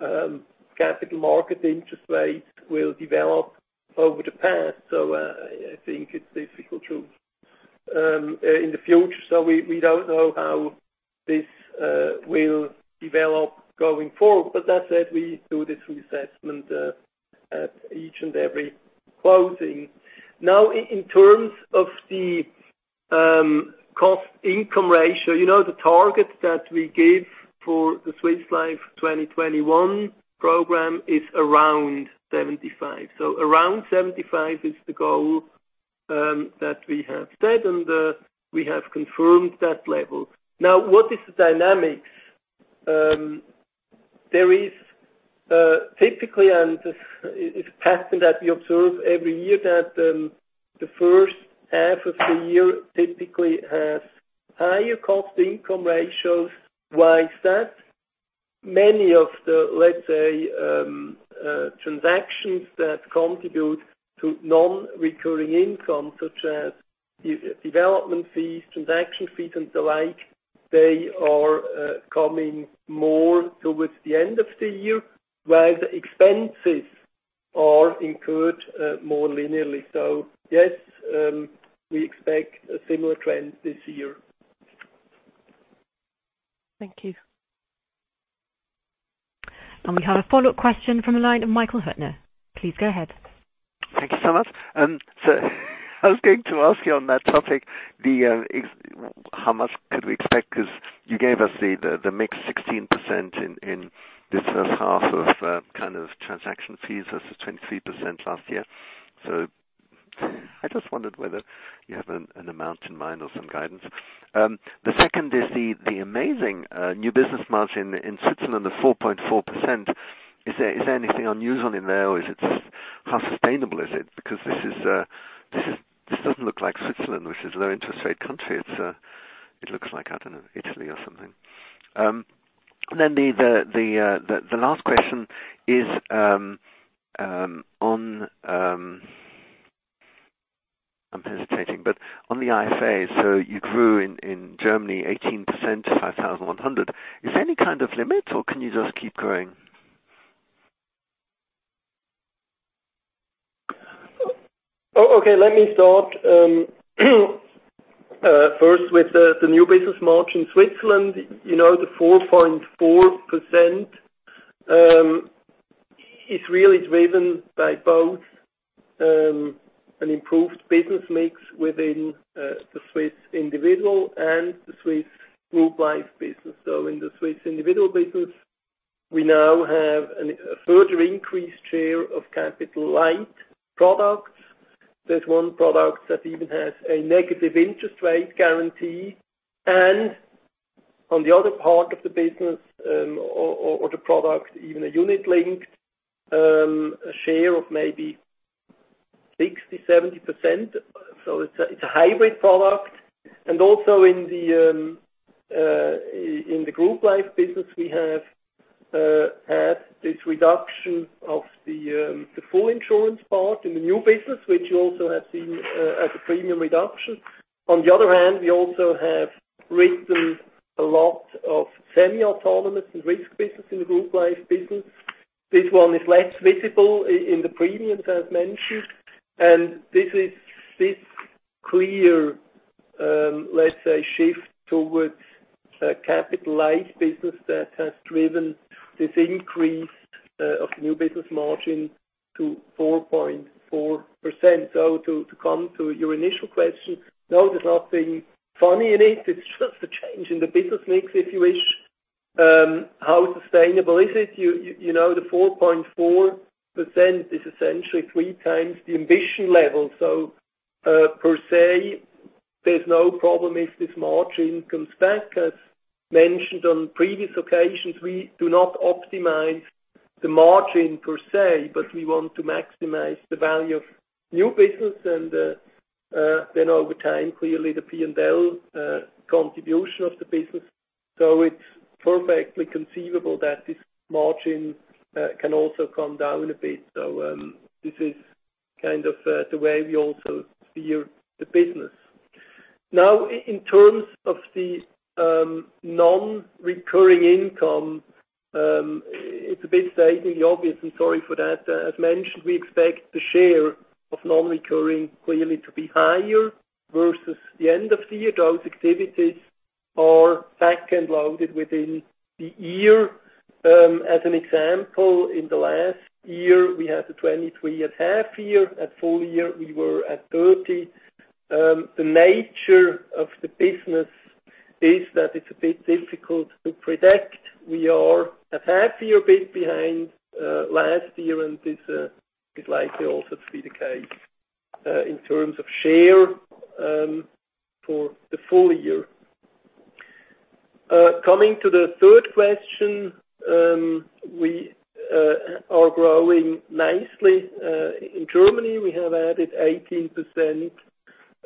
how capital market interest rates will develop over the path. We don't know how this will develop going forward. That said, we do this reassessment at each and every closing. In terms of the cost-income ratio, the target that we give for the Swiss Life 2021 Program is around 75. Around 75 is the goal that we have said, and we have confirmed that level. What is the dynamics? There is typically, and it's a pattern that we observe every year, that the first half of the year typically has higher cost-income ratios. Why is that? Many of the, let's say, transactions that contribute to non-recurring income, such as development fees, transaction fees, and the like, they are coming more towards the end of the year. While the expenses are incurred more linearly. Yes, we expect a similar trend this year. Thank you. We have a follow-up question from the line of Michael Huttner. Please go ahead. Thank you so much. I was going to ask you on that topic, how much could we expect? Because you gave us the mix 16% in this H1 of transaction fees versus 23% last year. I just wondered whether you have an amount in mind or some guidance. The second is the amazing new business margin in Switzerland, the 4.4%. Is there anything unusual in there? How sustainable is it? Because this doesn't look like Switzerland, which is a low interest rate country. It looks like, I don't know, Italy or something. The last question is on I'm hesitating, but on the IFAs. You grew in Germany 18% to 5,100. Is there any kind of limit, or can you just keep growing? Let me start first with the new business margin Switzerland. The 4.4% is really driven by both an improved business mix within the Swiss individual and the Swiss group life business. In the Swiss individual business, we now have a further increased share of capital light products. There's 1 product that even has a negative interest rate guarantee. On the other part of the business, or the product, even a unit-linked, a share of maybe 60%, 70%. It's a hybrid product. Also in the group life business, we have had this reduction of the full insurance part in the new business, which you also have seen as a premium reduction. On the other hand, we also have written a lot of semi-autonomous and risk business in the group life business. This one is less visible in the premiums, as mentioned. This is clear, let's say, shift towards a unit-linked business that has driven this increase of new business margin to 4.4%. To come to your initial question, no, there's nothing funny in it. It's just a change in the business mix, if you wish. How sustainable is it? The 4.4% is essentially three times the ambition level. Per se, there's no problem if this margin comes back. As mentioned on previous occasions, we do not optimize the margin per se, but we want to maximize the value of new business. Over time, clearly the P&L contribution of the business. It's perfectly conceivable that this margin can also come down a bit. This is the way we also view the business. In terms of the non-recurring income, it's a bit stating the obvious, and sorry for that. As mentioned, we expect the share of non-recurring clearly to be higher versus the end of the year. Those activities are back-end loaded within the year. As an example, in the last year, we had the 23% at half year. At full year, we were at 30%. The nature of the business is that it's a bit difficult to predict. We are a half year bit behind last year, and this is likely also to be the case in terms of share for the full year. Coming to the third question, we are growing nicely. In Germany, we have added 18%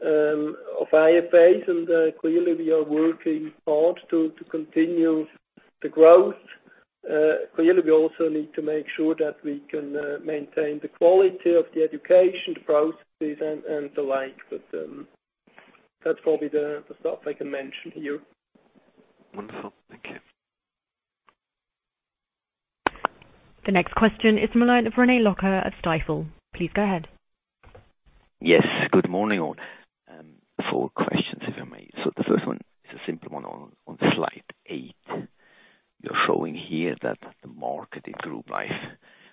of IFAs, and clearly we are working hard to continue the growth. Clearly, we also need to make sure that we can maintain the quality of the education, the processes, and the like. That's probably the stuff I can mention here. Wonderful. Thank you. The next question is from the line of René Locher at Stifel. Please go ahead. Yes. Good morning, all. four questions, if I may. The first one is a simple one on slide eight. You're showing here that the market in group life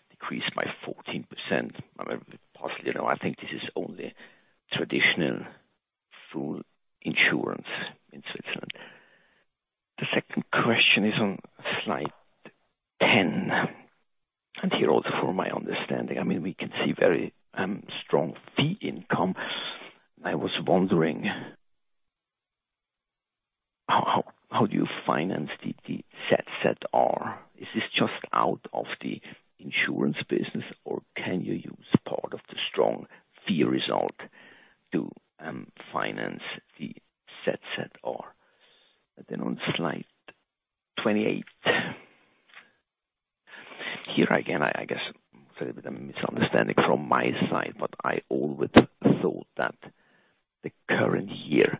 decreased by 14%. Possibly now, I think this is only traditional. The second question is on slide 10. Here also from my understanding, we can see very strong fee income. I was wondering, how do you finance the ZZR? Is this just out of the insurance business, or can you use part of the strong fee result to finance the ZZR? On slide 28. Here again, I guess it's a little bit of a misunderstanding from my side, but I always thought that the current year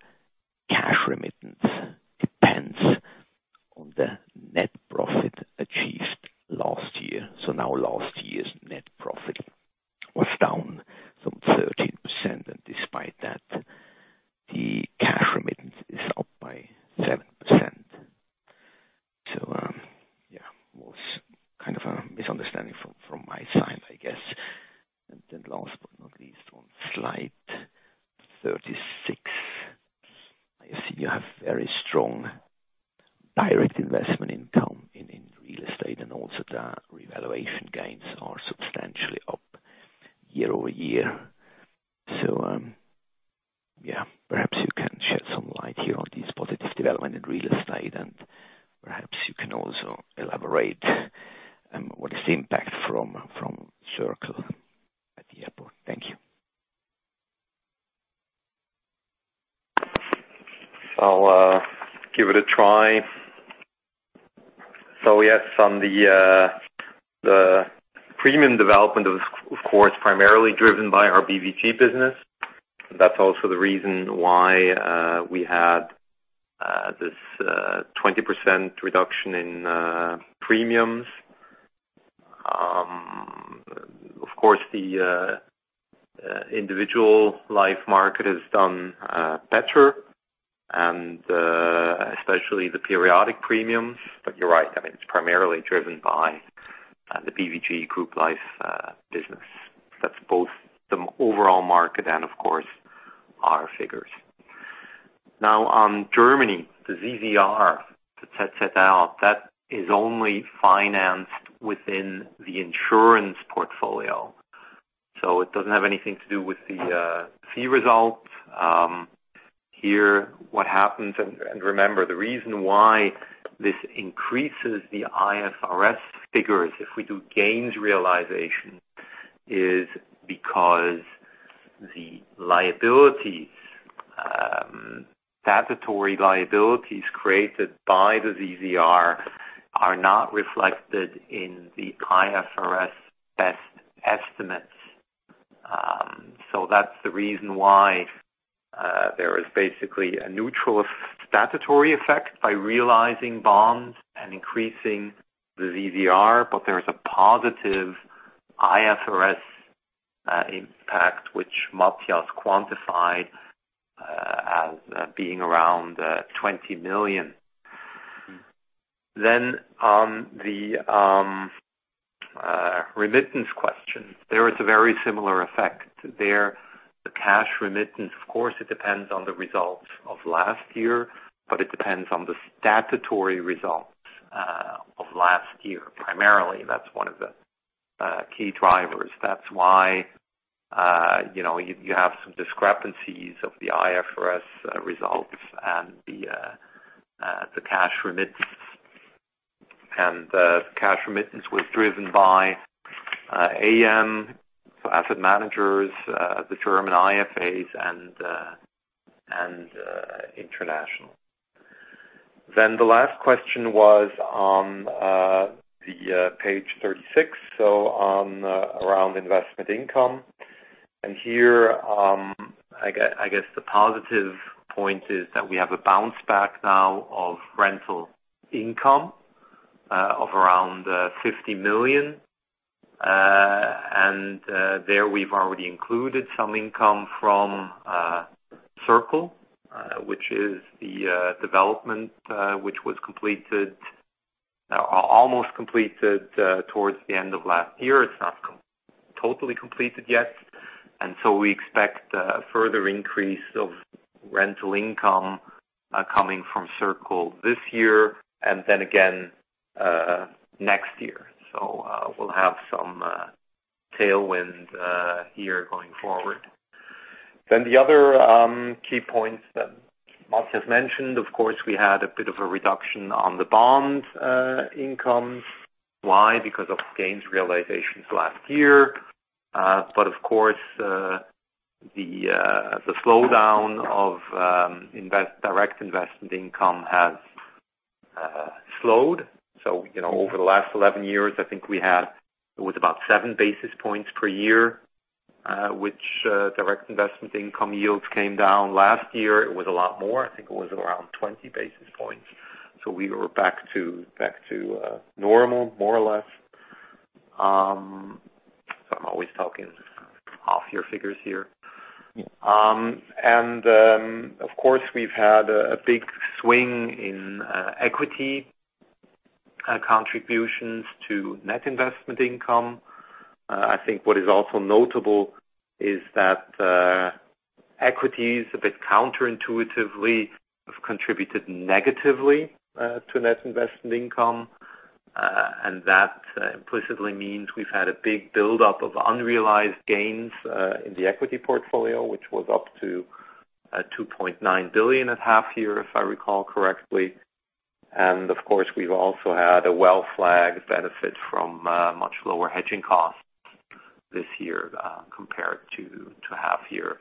cash remittance depends on the net profit achieved last year. Now last year's net profit was down from 13%, and despite that, the cash remittance is up by 7%. Yeah, was kind of a misunderstanding from my side, I guess. Last but not least, on slide 36. I see you have very strong direct investment income in real estate, and also the revaluation gains are substantially up year-over-year. Perhaps you can shed some light here on this positive development in real estate, and perhaps you can also elaborate what is the impact from The Circle at the airport. Thank you. I'll give it a try. Yes, on the premium development, of course, primarily driven by our BVG business. That's also the reason why we had this 20% reduction in premiums. Of course, the individual life market has done better, and especially the periodic premiums. You're right, it's primarily driven by the BVG group life business. That's both the overall market and of course, our figures. On Germany, the ZZR, that is only financed within the insurance portfolio. It doesn't have anything to do with the fee result. Here, what happens, and remember, the reason why this increases the IFRS figures, if we do gains realization, is because the statutory liabilities created by the ZZR are not reflected in the IFRS best estimates. That's the reason why there is basically a neutral statutory effect by realizing bonds and increasing the ZZR. There is a positive IFRS impact, which Matthias quantified as being around CHF 20 million. On the remittance question, there is a very similar effect. The cash remittance, of course, it depends on the results of last year, but it depends on the statutory results of last year. Primarily, that's one of the key drivers. That's why you have some discrepancies of the IFRS results and the cash remittance. The cash remittance was driven by AM, Asset Managers, the German IFAs, and international. The last question was on page 36, so around investment income. Here, I guess the positive point is that we have a bounce back now of rental income of around CHF 50 million. There we've already included some income from The Circle, which is the development which was almost completed towards the end of last year. It's not totally completed yet. We expect a further increase of rental income coming from The Circle this year and then again next year. We'll have some tailwind here going forward. The other key points that Matthias mentioned, of course, we had a bit of a reduction on the bond income. Why? Because of gains realizations last year. Of course, the slowdown of direct investment income has slowed. Over the last 11 years, I think we had, it was about 7 basis points per year, which direct investment income yields came down last year. It was a lot more. I think it was around 20 basis points. We were back to normal, more or less. Sorry, I'm always talking off your figures here. Of course, we've had a big swing in equity contributions to net investment income. I think what is also notable is that equities, a bit counterintuitively, have contributed negatively to net investment income. That implicitly means we've had a big buildup of unrealized gains in the equity portfolio, which was up to 2.9 billion at half year, if I recall correctly. Of course, we've also had a well-flagged benefit from much lower hedging costs this year compared to half year.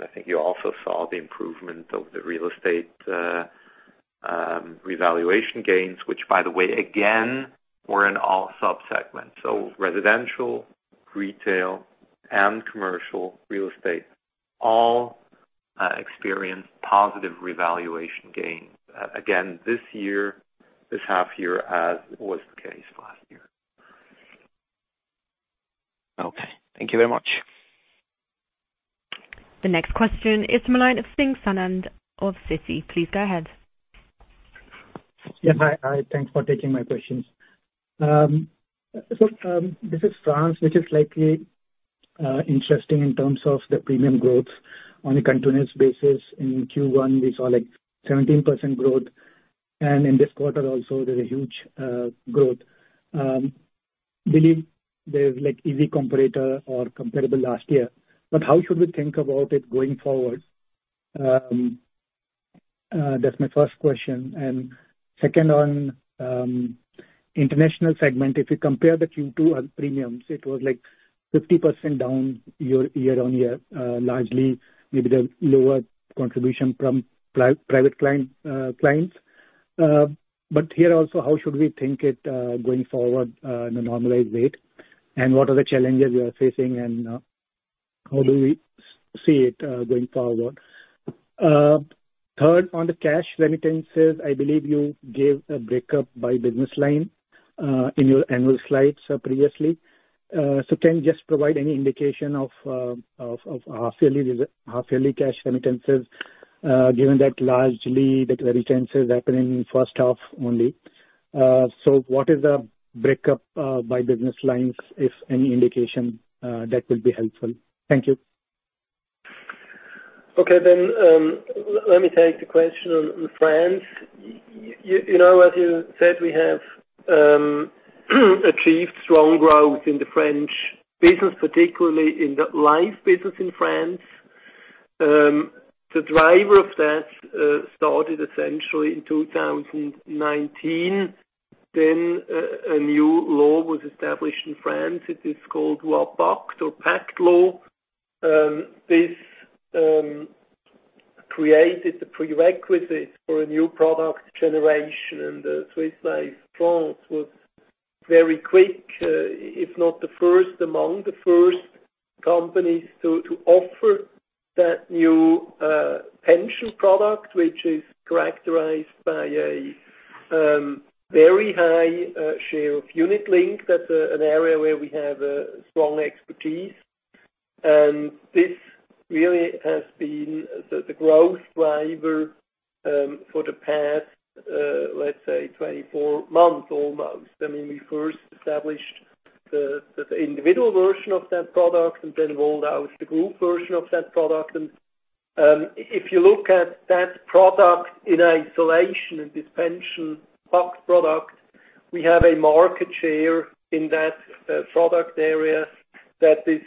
I think you also saw the improvement of the real estate revaluation gains, which by the way, again, were in all sub-segments. Residential, retail, and commercial real estate all experienced positive revaluation gains. Again, this half year as was the case last year. Okay. Thank you very much. The next question is from the line of Snehlata Singh of Citi. Please go ahead. Yes. Hi. Thanks for taking my questions. Business France, which is likely interesting in terms of the premium growth on a continuous basis. In Q1, we saw 17% growth, and in this quarter also there's a huge growth. I believe there's easy comparator or comparable last year. How should we think about it going forward? That's my first question. Second on international segment, if you compare the Q2 premiums, it was 50% down year-on-year, largely maybe the lower contribution from private clients. Here also, how should we think it going forward in a normalized rate? What are the challenges you are facing, and how do we see it going forward? Third, on the cash remittances, I believe you gave a breakup by business line in your annual slides previously. Can you just provide any indication of half-yearly cash remittances, given that largely the remittances happen in first half only? What is the breakup by business lines, if any indication that will be helpful. Thank you. Okay. Let me take the question on France. As you said, we have achieved strong growth in the French business, particularly in the life business in France. The driver of that started essentially in 2019. A new law was established in France. It is called Loi PACTE or PACTE law. This created the prerequisite for a new product generation. Swiss Life France was very quick, if not the first among the first companies to offer that new pension product, which is characterized by a very high share of unit-linked. That's an area where we have a strong expertise. This really has been the growth driver for the past let's say, 24 months almost. We first established the individual version of that product and then rolled out the group version of that product. If you look at that product in isolation, this pension PACTE product, we have a market share in that product area that is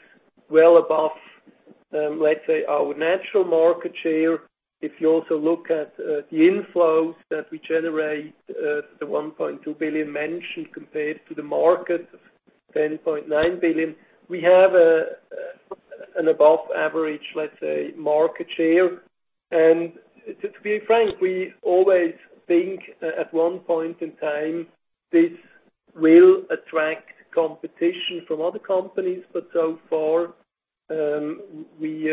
well above, let's say, our natural market share. If you also look at the inflows that we generate, the 1.2 billion mentioned compared to the market of 10.9 billion, we have an above average, let's say, market share. To be frank, we always think at one point in time, this will attract competition from other companies. So far, we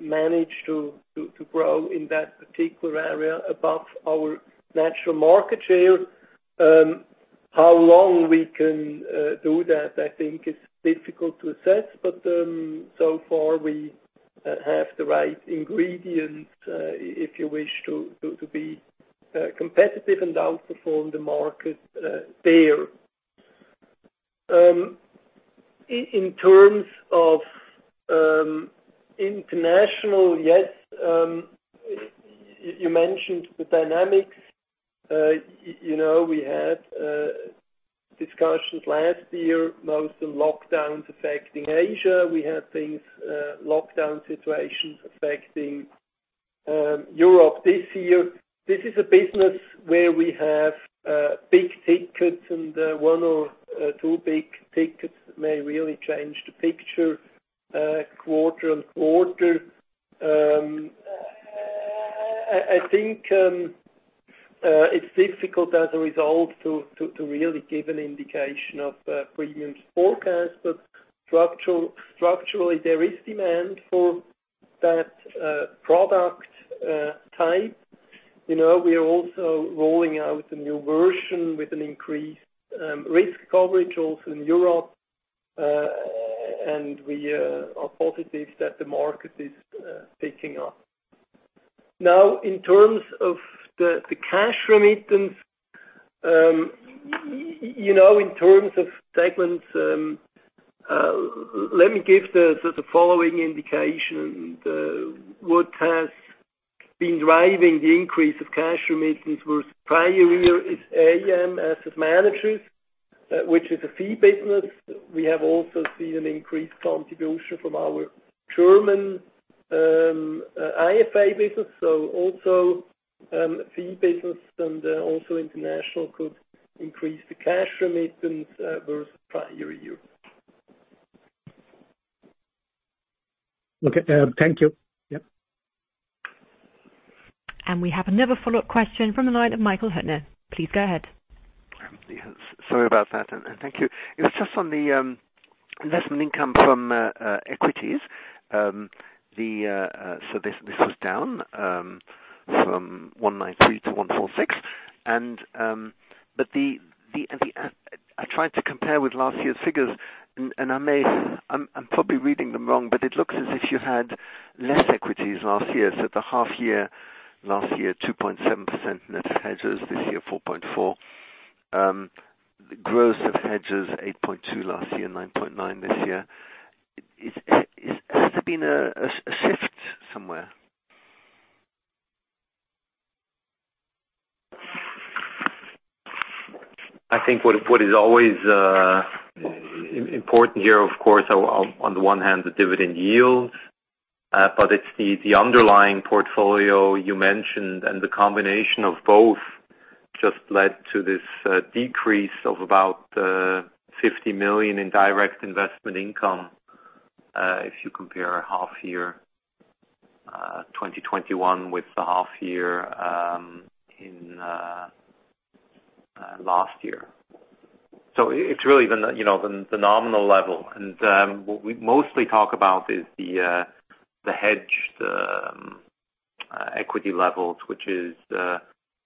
managed to grow in that particular area above our natural market share. How long we can do that, I think, is difficult to assess. So far, we have the right ingredients if you wish to be competitive and outperform the market there. In terms of international, yes, you mentioned the dynamics. We had discussions last year, mostly lockdowns affecting Asia. We had lockdown situations affecting Europe this year. This is a business where we have big tickets and one or two big tickets may really change the picture quarter on quarter. I think it is difficult as a result to really give an indication of premiums forecast. Structurally, there is demand for that product type. We are also rolling out a new version with an increased risk coverage also in Europe. We are positive that the market is picking up. In terms of the cash remittance, in terms of segments, let me give the following indication. What has been driving the increase of cash remittance versus prior year is AUM Asset Managers, which is a fee business. We have also seen an increased contribution from our German IFA business, also fee business and also international could increase the cash remittance versus prior year. Okay. Thank you. Yep. We have another follow-up question from the line of Michael Huttner. Please go ahead. Yes. Sorry about that, and thank you. It was just on the investment income from equities. This was down from 193 to 146. I tried to compare with last year's figures, and I'm probably reading them wrong, but it looks as if you had less equities last year. The half year last year, 2.7% net of hedges. This year, 4.4%. Gross of hedges, 8.2% last year, 9.9% this year. Has there been a shift somewhere? I think what is always important here, of course, on the one hand, the dividend yields, but it's the underlying portfolio you mentioned, and the combination of both just led to this decrease of about 50 million in direct investment income, if you compare half year 2021 with the half year in last year. It's really the nominal level. What we mostly talk about is the hedged equity levels, which is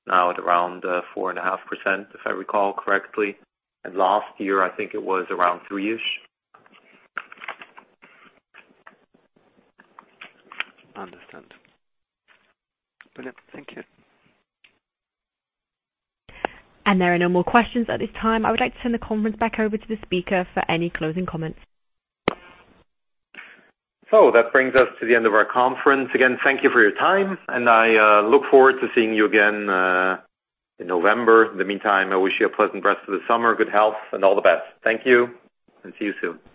now at around 4.5%, if I recall correctly. Last year, I think it was around 3-ish. Understand. Brilliant. Thank you. There are no more questions at this time. I would like to turn the conference back over to the speaker for any closing comments. That brings us to the end of our conference. Again, thank you for your time, and I look forward to seeing you again in November. In the meantime, I wish you a pleasant rest of the summer, good health, and all the best. Thank you, and see you soon.